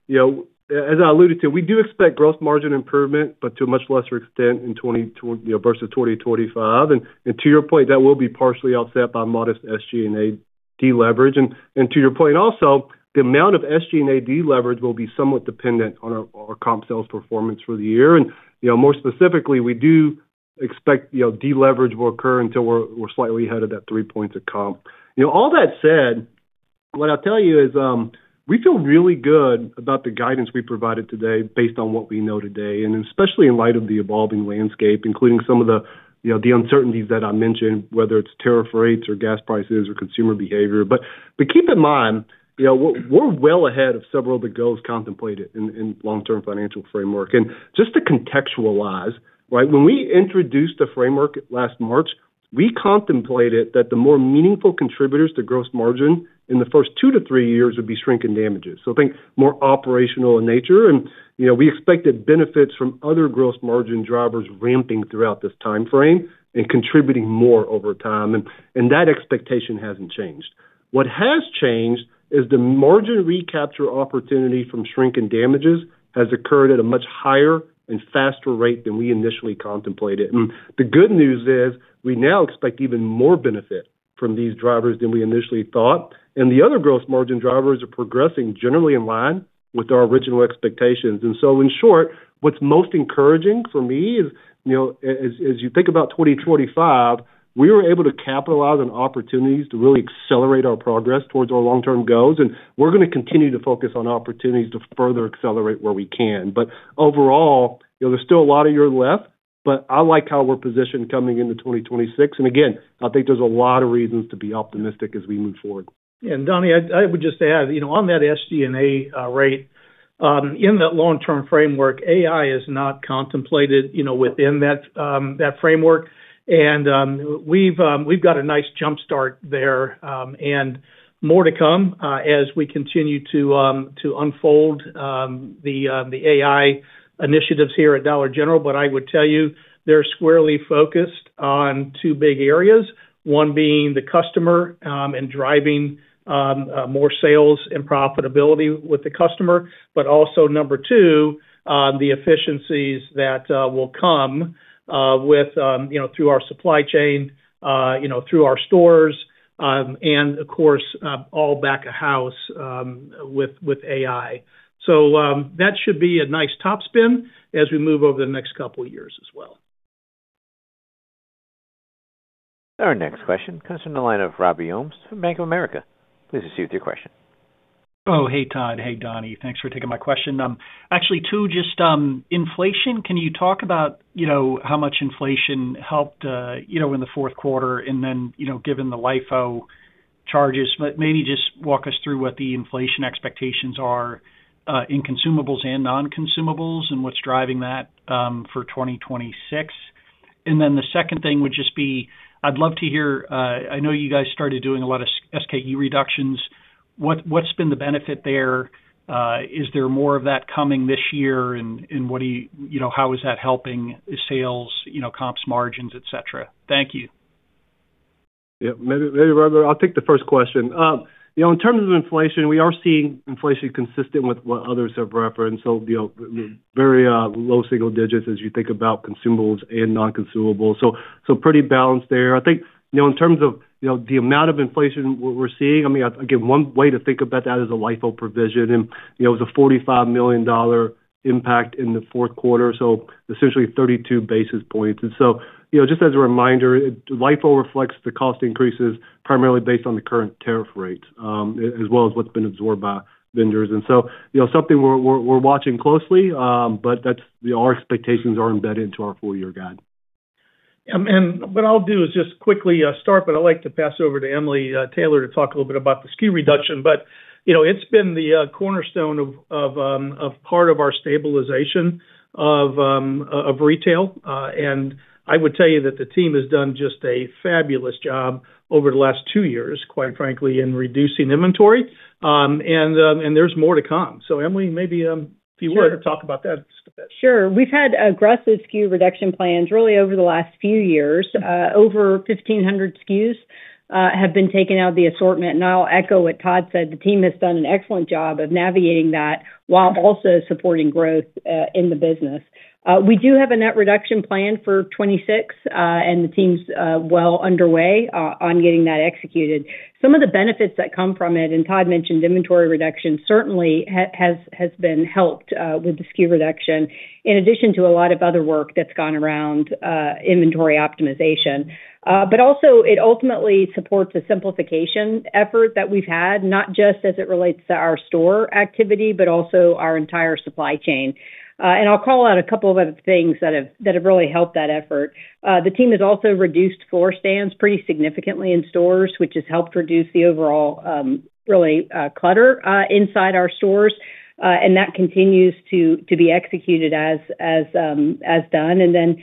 You know, as I alluded to, we do expect gross margin improvement, but to a much lesser extent in 2024 versus 2025. To your point, that will be partially offset by modest SG&A deleverage. To your point also, the amount of SG&A deleverage will be somewhat dependent on our comp sales performance for the year. You know, more specifically, we do expect deleverage will occur until we're slightly ahead of that 3 points of comp. You know, all that said, what I'll tell you is, we feel really good about the guidance we provided today based on what we know today, and especially in light of the evolving landscape, including some of the, you know, the uncertainties that I mentioned, whether it's tariff rates or gas prices or consumer behavior. Keep in mind, you know, we're well ahead of several of the goals contemplated in long-term financial framework. Just to contextualize, right? When we introduced the framework last March, we contemplated that the more meaningful contributors to gross margin in the first two to three years would be shrink and damages. Think more operational in nature. You know, we expected benefits from other gross margin drivers ramping throughout this timeframe and contributing more over time, and that expectation hasn't changed. What has changed is the margin recapture opportunity from shrink and damages has occurred at a much higher and faster rate than we initially contemplated. The good news is we now expect even more benefit from these drivers than we initially thought, and the other gross margin drivers are progressing generally in line with our original expectations. In short, what's most encouraging for me is, you know, as you think about 2025, we were able to capitalize on opportunities to really accelerate our progress towards our long-term goals, and we're gonna continue to focus on opportunities to further accelerate where we can. But overall, you know, there's still a lot of year left, but I like how we're positioned coming into 2026. Again, I think there's a lot of reasons to be optimistic as we move forward. Donnie, I would just add, you know, on that SG&A rate in that long-term framework, AI is not contemplated, you know, within that framework. We've got a nice jump-start there, and more to come as we continue to unfold the AI initiatives here at Dollar General. I would tell you they're squarely focused on two big areas, one being the customer and driving more sales and profitability with the customer. Number two, the efficiencies that will come with you know, through our supply chain, you know, through our stores, and of course, all back of house with AI. That should be a nice top spin as we move over the next couple of years as well. Our next question comes from the line of Robert Ohmes from Bank of America. Please proceed with your question. Oh, hey, Todd. Hey, Donny. Thanks for taking my question. Actually, two, just, inflation. Can you talk about, you know, how much inflation helped, you know, in the fourth quarter and then, you know, given the LIFO charges, but maybe just walk us through what the inflation expectations are, in consumables and non-consumables and what's driving that, for 2026. Then the second thing would just be, I'd love to hear, I know you guys started doing a lot of SKU reductions. What's been the benefit there? Is there more of that coming this year? And what do you know, how is that helping sales, you know, comps, margins, et cetera? Thank you. Yeah. Maybe, Robbie, I'll take the first question. You know, in terms of inflation, we are seeing inflation consistent with what others have referenced. You know, very low single digits as you think about consumables and non-consumables. Pretty balanced there. I think, you know, in terms of, you know, the amount of inflation we're seeing, I mean, again, one way to think about that is the LIFO provision. You know, it was a $45 million impact in the fourth quarter, so essentially 32 basis points. You know, just as a reminder, LIFO reflects the cost increases primarily based on the current tariff rates, as well as what's been absorbed by vendors. You know, something we're watching closely, but that's our expectations are embedded into our full-year guide. What I'll do is just quickly start, but I'd like to pass over to Emily Taylor to talk a little bit about the SKU reduction. You know, it's been the cornerstone of part of our stabilization of retail. I would tell you that the team has done just a fabulous job over the last two years, quite frankly, in reducing inventory. There's more to come. Emily, maybe, if you were to talk about that a bit. Sure. We've had aggressive SKU reduction plans really over the last few years. Over 1,500 SKUs have been taken out of the assortment. I'll echo what Todd said. The team has done an excellent job of navigating that while also supporting growth in the business. We do have a net reduction plan for 2026, and the team's well underway on getting that executed. Some of the benefits that come from it, and Todd mentioned inventory reduction, certainly has been helped with the SKU reduction, in addition to a lot of other work that's gone around inventory optimization. It ultimately supports a simplification effort that we've had, not just as it relates to our store activity, but also our entire supply chain. I'll call out a couple of other things that have really helped that effort. The team has also reduced floor stands pretty significantly in stores, which has helped reduce the overall really clutter inside our stores. That continues to be executed as done.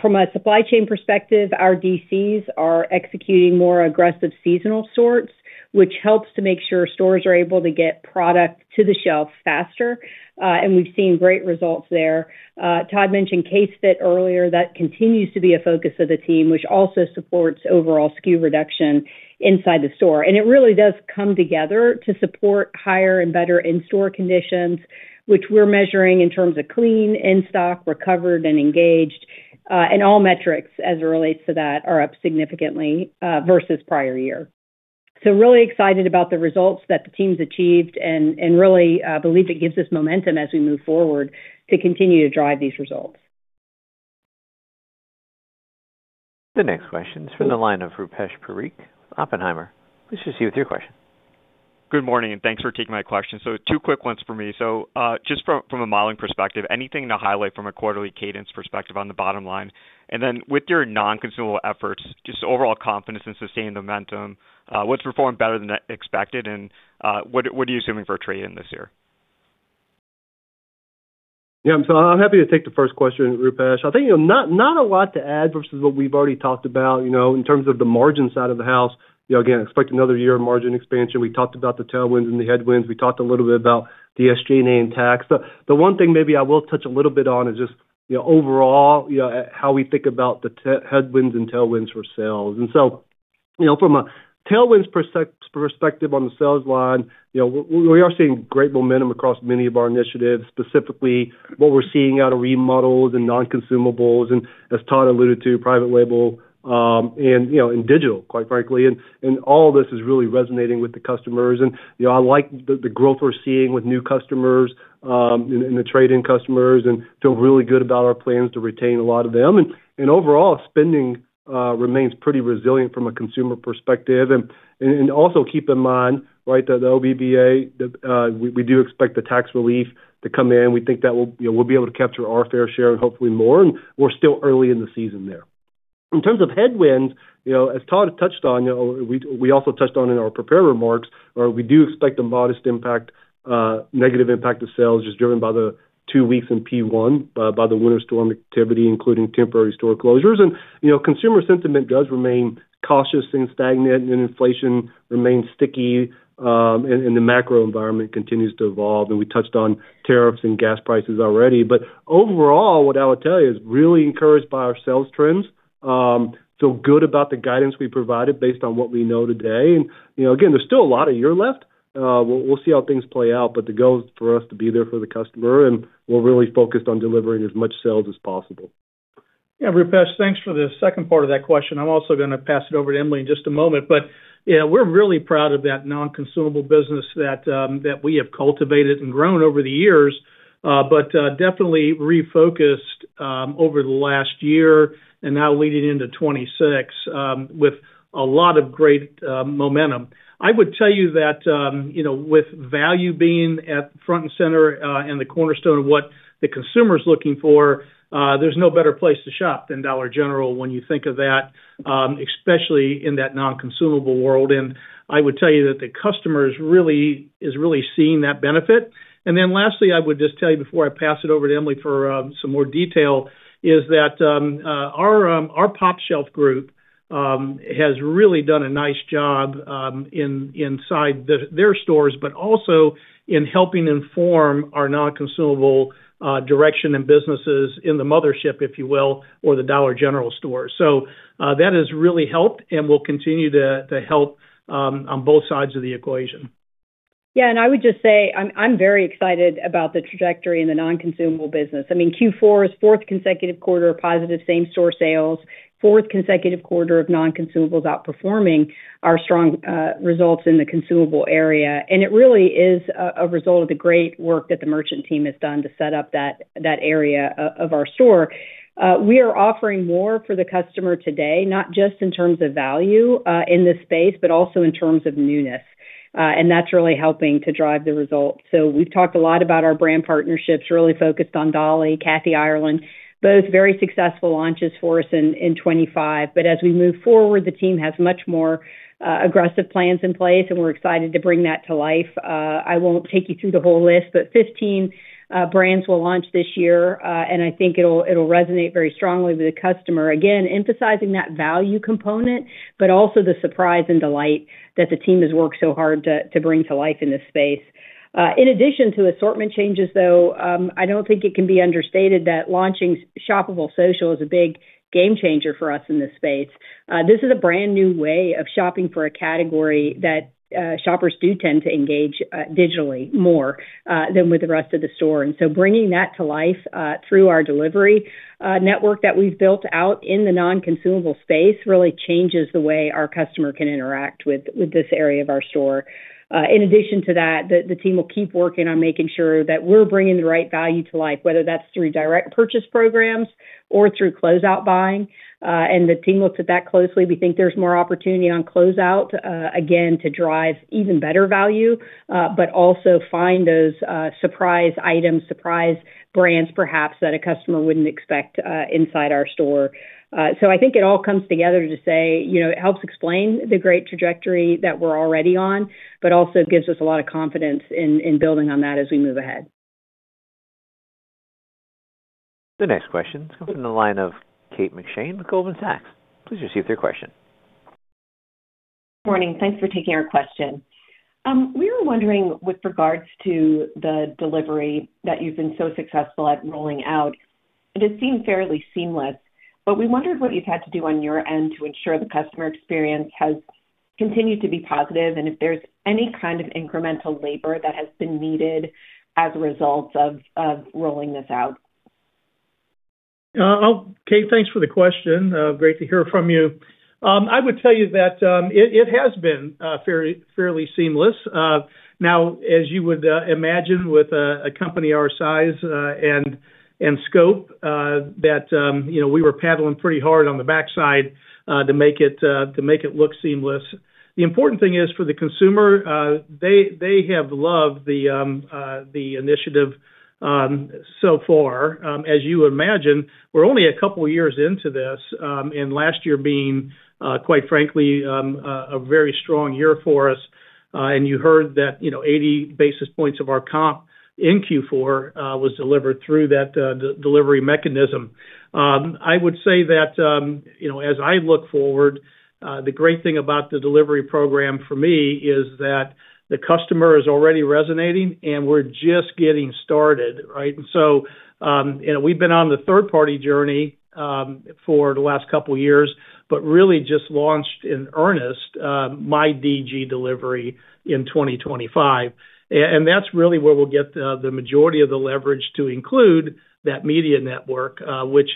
From a supply chain perspective, our DCs are executing more aggressive seasonal sorts, which helps to make sure stores are able to get product to the shelf faster. We've seen great results there. Todd mentioned case fit earlier. That continues to be a focus of the team, which also supports overall SKU reduction inside the store. It really does come together to support higher and better in-store conditions, which we're measuring in terms of clean, in-stock, recovered, and engaged, and all metrics as it relates to that are up significantly versus prior year. Really excited about the results that the team's achieved and really believe it gives us momentum as we move forward to continue to drive these results. The next question is from the line of Rupesh Parikh, Oppenheimer. Please proceed with your question. Good morning, and thanks for taking my question. Two quick ones for me. Just from a modeling perspective, anything to highlight from a quarterly cadence perspective on the bottom line? With your non-consumable efforts, just overall confidence and sustained momentum, what's performed better than expected, and what are you assuming for trade-in this year? Yeah, I'm happy to take the first question, Rupesh. I think, you know, not a lot to add versus what we've already talked about, you know, in terms of the margin side of the house. You know, again, expect another year of margin expansion. We talked about the tailwinds and the headwinds. We talked a little bit about SG&A and tax. The one thing maybe I will touch a little bit on is just, you know, overall, you know, how we think about the headwinds and tailwinds for sales. You know, from a tailwinds perspective on the sales line, you know, we are seeing great momentum across many of our initiatives, specifically what we're seeing out of remodels and non-consumables and, as Todd alluded to, private label, and, you know, digital, quite frankly. All this is really resonating with the customers. You know, I like the growth we're seeing with new customers and the trade-in customers, and feel really good about our plans to retain a lot of them. Overall, spending remains pretty resilient from a consumer perspective. Also keep in mind, right, that OBBA we do expect the tax relief to come in. We think that we'll, you know, be able to capture our fair share and hopefully more, and we're still early in the season there. In terms of headwinds, you know, as Todd touched on, you know, we also touched on in our prepared remarks, we do expect a modest impact, negative impact to sales just driven by the two weeks in P one, by the winter storm activity, including temporary store closures. You know, consumer sentiment does remain cautious and stagnant, and inflation remains sticky, and the macro environment continues to evolve, and we touched on tariffs and gas prices already. Overall, what I would tell you is really encouraged by our sales trends, feel good about the guidance we provided based on what we know today. You know, again, there's still a lot of year left. We'll see how things play out, but the goal is for us to be there for the customer, and we're really focused on delivering as much sales as possible. Yeah, Rupesh, thanks for the second part of that question. I'm also gonna pass it over to Emily in just a moment. Yeah, we're really proud of that non-consumable business that we have cultivated and grown over the years, but definitely refocused over the last year and now leading into 2026, with a lot of great momentum. I would tell you that, you know, with value being at front and center, and the cornerstone of what the consumer's looking for, there's no better place to shop than Dollar General when you think of that, especially in that non-consumable world. I would tell you that the customer is really seeing that benefit. Lastly, I would just tell you before I pass it over to Emily for some more detail, is that our pOpshelf group has really done a nice job inside their stores, but also in helping inform our non-consumable direction and businesses in the mothership, if you will, or the Dollar General store. That has really helped and will continue to help on both sides of the equation. Yeah. I would just say I'm very excited about the trajectory in the non-consumable business. I mean, Q4 is fourth consecutive quarter of positive same-store sales, fourth consecutive quarter of non-consumables outperforming our strong results in the consumable area. It really is a result of the great work that the merchant team has done to set up that area of our store. We are offering more for the customer today, not just in terms of value in this space, but also in terms of newness. That's really helping to drive the results. We've talked a lot about our brand partnerships, really focused on Dolly Parton, Kathy Ireland, both very successful launches for us in 2025. As we move forward, the team has much more aggressive plans in place, and we're excited to bring that to life. I won't take you through the whole list, but 15 brands will launch this year, and I think it'll resonate very strongly with the customer. Again, emphasizing that value component, but also the surprise and delight that the team has worked so hard to bring to life in this space. In addition to assortment changes, though, I don't think it can be understated that launching Shoppable Social is a big game changer for us in this space. This is a brand new way of shopping for a category that shoppers do tend to engage digitally more than with the rest of the store. Bringing that to life through our delivery network that we've built out in the non-consumable space really changes the way our customer can interact with this area of our store. In addition to that, the team will keep working on making sure that we're bringing the right value to life, whether that's through direct purchase programs or through closeout buying. The team looks at that closely. We think there's more opportunity on closeout, again, to drive even better value, but also find those, surprise items, surprise brands perhaps that a customer wouldn't expect, inside our store. I think it all comes together to say, you know, it helps explain the great trajectory that we're already on, but also gives us a lot of confidence in building on that as we move ahead. The next question comes from the line of Kate McShane with Goldman Sachs. Please proceed with your question. Good morning. Thanks for taking our question. We were wondering with regards to the delivery that you've been so successful at rolling out, and it seemed fairly seamless, but we wondered what you've had to do on your end to ensure the customer experience has continued to be positive, and if there's any kind of incremental labor that has been needed as a result of rolling this out. Kate, thanks for the question. Great to hear from you. I would tell you that it has been fairly seamless. Now, as you would imagine with a company our size and scope, you know, we were paddling pretty hard on the backside to make it look seamless. The important thing is for the consumer, they have loved the initiative so far. As you imagine, we're only a couple of years into this, and last year being quite frankly a very strong year for us, and you heard that, you know, 80 basis points of our comp in Q4 was delivered through that delivery mechanism. I would say that, you know, as I look forward, the great thing about the delivery program for me is that the customer is already resonating, and we're just getting started, right? You know, we've been on the third-party journey for the last couple of years, but really just launched in earnest, myDG delivery in 2025. And that's really where we'll get the majority of the leverage to include that media network, which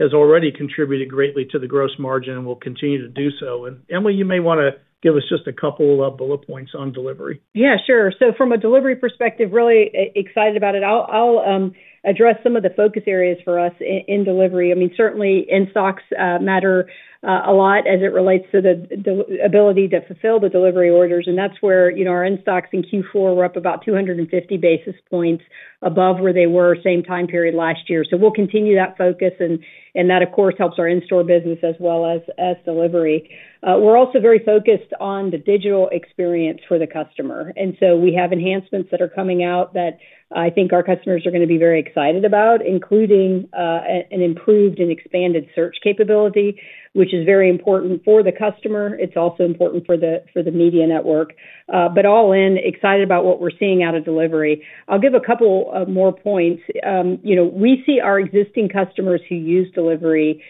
has already contributed greatly to the gross margin and will continue to do so. Emily, you may wanna give us just a couple of bullet points on delivery. Yeah, sure. From a delivery perspective, really excited about it. I'll address some of the focus areas for us in delivery. I mean, certainly, in-stocks matter a lot as it relates to the ability to fulfill the delivery orders, and that's where, you know, our in-stocks in Q4 were up about 250 basis points above where they were same time period last year. We'll continue that focus, and that, of course, helps our in-store business as well as delivery. We're also very focused on the digital experience for the customer. We have enhancements that are coming out that I think our customers are gonna be very excited about, including an improved and expanded search capability, which is very important for the customer. It's also important for the media network. All in, excited about what we're seeing out of delivery. I'll give a couple more points. You know, we see our existing customers who use delivery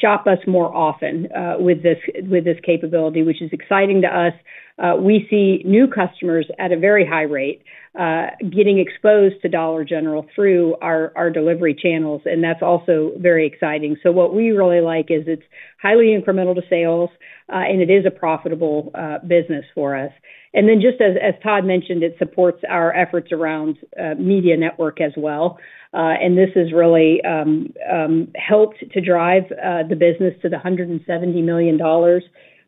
shop us more often with this capability, which is exciting to us. We see new customers at a very high rate getting exposed to Dollar General through our delivery channels, and that's also very exciting. What we really like is it's highly incremental to sales and it is a profitable business for us. Then just as Todd mentioned, it supports our efforts around media network as well. This has really helped to drive the business to the $170 million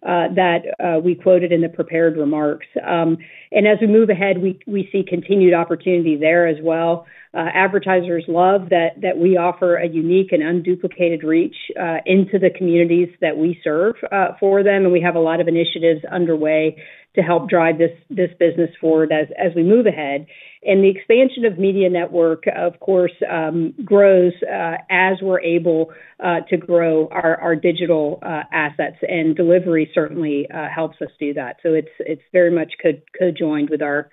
that we quoted in the prepared remarks. As we move ahead, we see continued opportunity there as well. Advertisers love that we offer a unique and unduplicated reach into the communities that we serve for them, and we have a lot of initiatives underway to help drive this business forward as we move ahead. The expansion of media network, of course, grows as we're able to grow our digital assets, and delivery certainly helps us do that. It's very much conjoined with our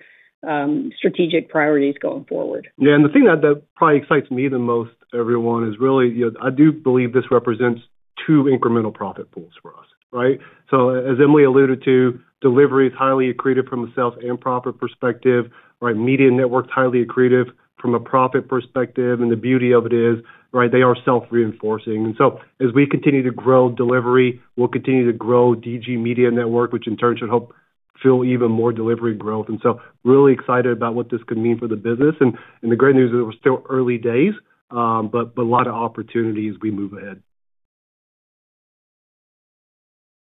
strategic priorities going forward. Yeah. The thing that probably excites me the most, everyone, is really, you know, I do believe this represents two incremental profit pools for us, right? As Emily alluded to, delivery is highly accretive from a sales and profit perspective, right? Media network's highly accretive from a profit perspective, and the beauty of it is, right, they are self-reinforcing. As we continue to grow delivery, we'll continue to grow DG Media Network, which in turn should help fill even more delivery growth. Really excited about what this could mean for the business. The great news is it was still early days, but a lot of opportunity as we move ahead.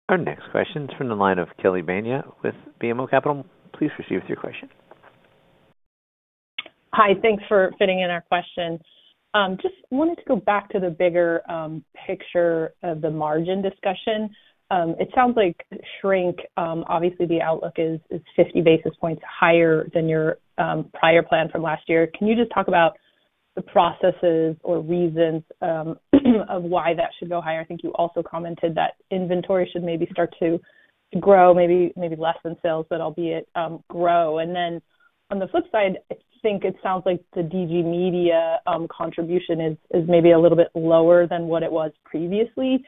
Our next question is from the line of Kelly Bania with BMO Capital. Please proceed with your question. Hi. Thanks for fitting in our question. Just wanted to go back to the bigger picture of the margin discussion. It sounds like shrink obviously the outlook is 50 basis points higher than your prior plan from last year. Can you just talk about the processes or reasons of why that should go higher? I think you also commented that inventory should maybe start to grow, maybe less than sales, but albeit grow. Then on the flip side, I think it sounds like the DG Media contribution is maybe a little bit lower than what it was previously.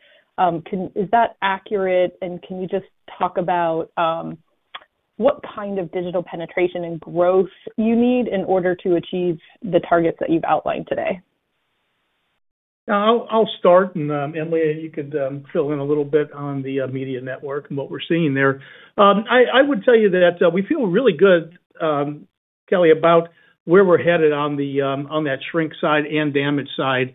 Is that accurate? Can you just talk about what kind of digital penetration and growth you need in order to achieve the targets that you've outlined today? I'll start. Emily, you could fill in a little bit on the Media Network and what we're seeing there. I would tell you that we feel really good, Kelly, about where we're headed on that shrink side and damage side.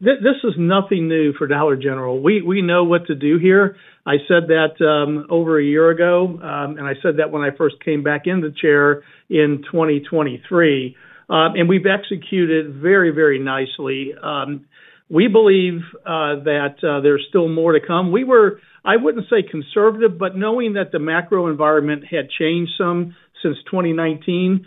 This is nothing new for Dollar General. We know what to do here. I said that over a year ago, and I said that when I first came back in the chair in 2023. We've executed very nicely. We believe that there's still more to come. We were, I wouldn't say conservative, but knowing that the macro environment had changed some since 2019,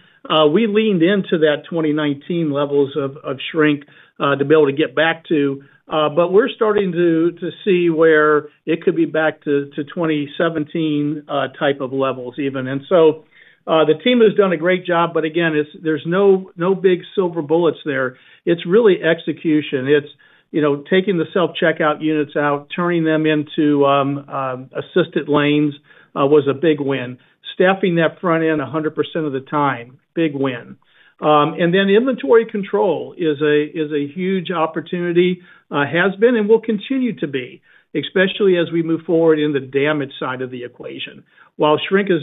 we leaned into that 2019 levels of shrink to be able to get back to. We're starting to see where it could be back to 2017 type of levels even. The team has done a great job, but again, it's. There's no big silver bullets there. It's really execution. It's you know taking the self-checkout units out, turning them into assisted lanes was a big win. Staffing that front end 100% of the time, big win. Inventory control is a huge opportunity. Has been and will continue to be, especially as we move forward in the damages side of the equation. While shrink has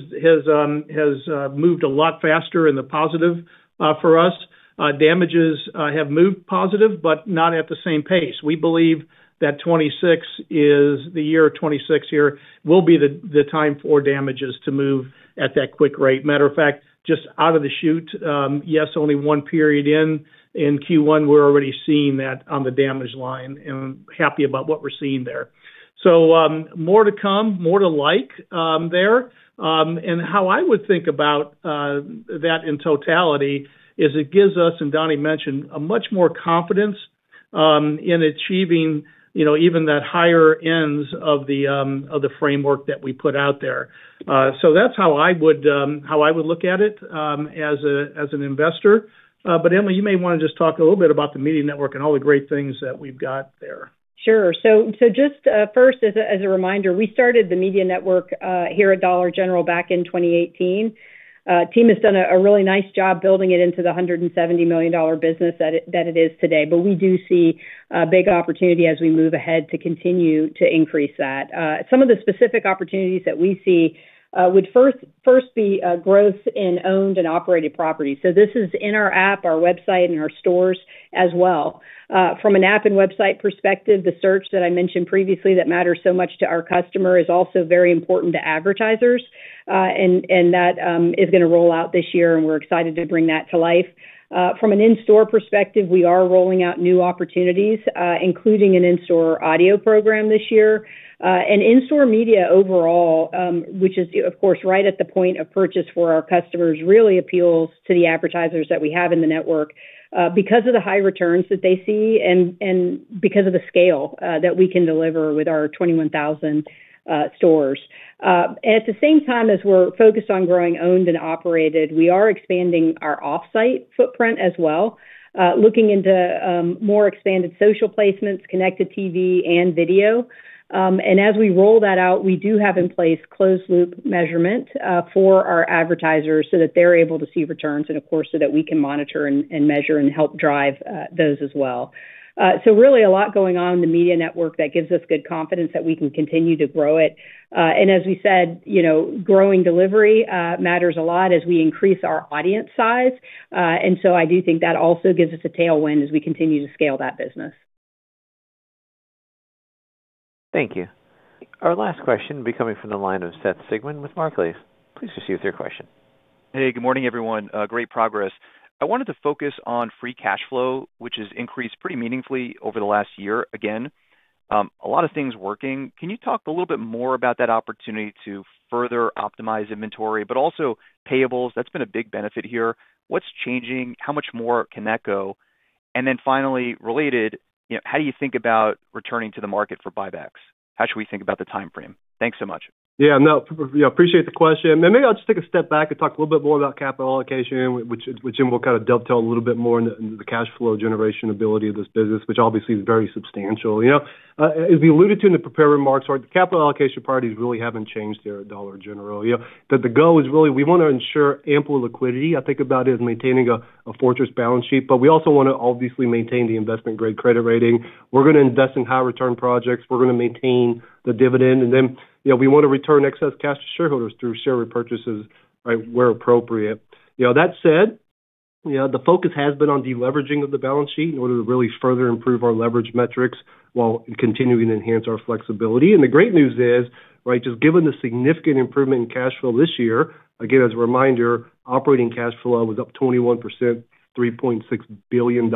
moved a lot faster in the positive for us, damages have moved positive, but not at the same pace. We believe that 2026 is the year that will be the time for margins to move at that quick rate. Matter of fact, just out of the chute, only one period in Q1, we're already seeing that on the margin line and happy about what we're seeing there. More to come, more to like there. How I would think about that in totality is it gives us, and Donny mentioned, a much more confidence in achieving, you know, even that higher ends of the framework that we put out there. That's how I would look at it as an investor. Emily, you may wanna just talk a little bit about the Media Network and all the great things that we've got there. Sure. Just first, as a reminder, we started the Media Network here at Dollar General back in 2018. Team has done a really nice job building it into the $170 million business that it is today. We do see big opportunity as we move ahead to continue to increase that. Some of the specific opportunities that we see would first be growth in owned and operated properties. This is in our app, our website, and our stores as well. From an app and website perspective, the search that I mentioned previously that matters so much to our customer is also very important to advertisers. And that is gonna roll out this year, and we're excited to bring that to life. From an in-store perspective, we are rolling out new opportunities, including an in-store audio program this year. In-store media overall, which is, of course, right at the point of purchase for our customers, really appeals to the advertisers that we have in the network, because of the high returns that they see and because of the scale that we can deliver with our 21,000 stores. At the same time as we're focused on growing owned and operated, we are expanding our offsite footprint as well, looking into more expanded social placements, connected TV and video. As we roll that out, we do have in place closed loop measurement for our advertisers so that they're able to see returns and of course, so that we can monitor and measure and help drive those as well. Really a lot going on in the Media Network that gives us good confidence that we can continue to grow it. As we said, you know, growing delivery matters a lot as we increase our audience size. I do think that also gives us a tailwind as we continue to scale that business. Thank you. Our last question will be coming from the line of Seth Sigman with Barclays. Please proceed with your question. Hey, good morning, everyone. Great progress. I wanted to focus on free cash flow, which has increased pretty meaningfully over the last year again. A lot of things working. Can you talk a little bit more about that opportunity to further optimize inventory, but also payables? That's been a big benefit here. What's changing? How much more can that go? And then finally, related, you know, how do you think about returning to the market for buybacks? How should we think about the timeframe? Thanks so much. Yeah, no, yeah, appreciate the question. Maybe I'll just take a step back and talk a little bit more about capital allocation, which then will kind of dovetail a little bit more into the cash flow generation ability of this business, which obviously is very substantial. You know, as we alluded to in the prepared remarks, right, the capital allocation priorities really haven't changed here at Dollar General. You know, the goal is really we wanna ensure ample liquidity. I think about it as maintaining a fortress balance sheet, but we also wanna obviously maintain the investment-grade credit rating. We're gonna invest in high return projects. We're gonna maintain the dividend. You know, we wanna return excess cash to shareholders through share repurchases, right? Where appropriate. You know, that said, you know, the focus has been on deleveraging of the balance sheet in order to really further improve our leverage metrics while continuing to enhance our flexibility. The great news is, right, just given the significant improvement in cash flow this year, again, as a reminder, operating cash flow was up 21%, $3.6 billion.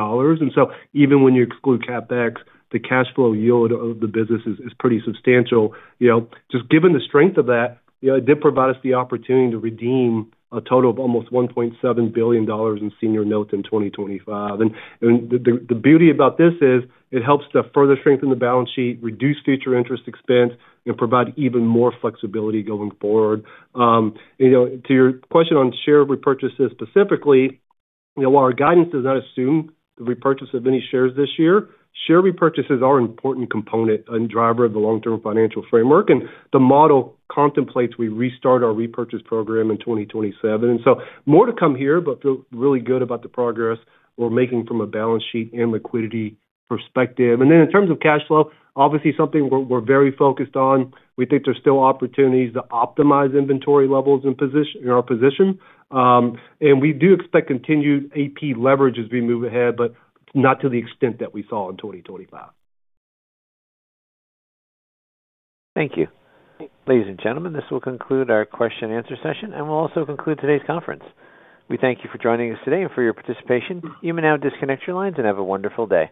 Even when you exclude CapEx, the cash flow yield of the business is pretty substantial. You know, just given the strength of that, you know, it did provide us the opportunity to redeem a total of almost $1.7 billion in senior notes in 2025. The beauty about this is it helps to further strengthen the balance sheet, reduce future interest expense, and provide even more flexibility going forward. You know, to your question on share repurchases specifically, you know, while our guidance does not assume the repurchase of any shares this year, share repurchases are an important component and driver of the long-term financial framework, and the model contemplates we restart our repurchase program in 2027. More to come here, but feel really good about the progress we're making from a balance sheet and liquidity perspective. In terms of cash flow, obviously something we're very focused on. We think there's still opportunities to optimize inventory levels and our position. We do expect continued AP leverage as we move ahead, but not to the extent that we saw in 2025. Thank you. Ladies and gentlemen, this will conclude our question and answer session and will also conclude today's conference. We thank you for joining us today and for your participation. You may now disconnect your lines and have a wonderful day.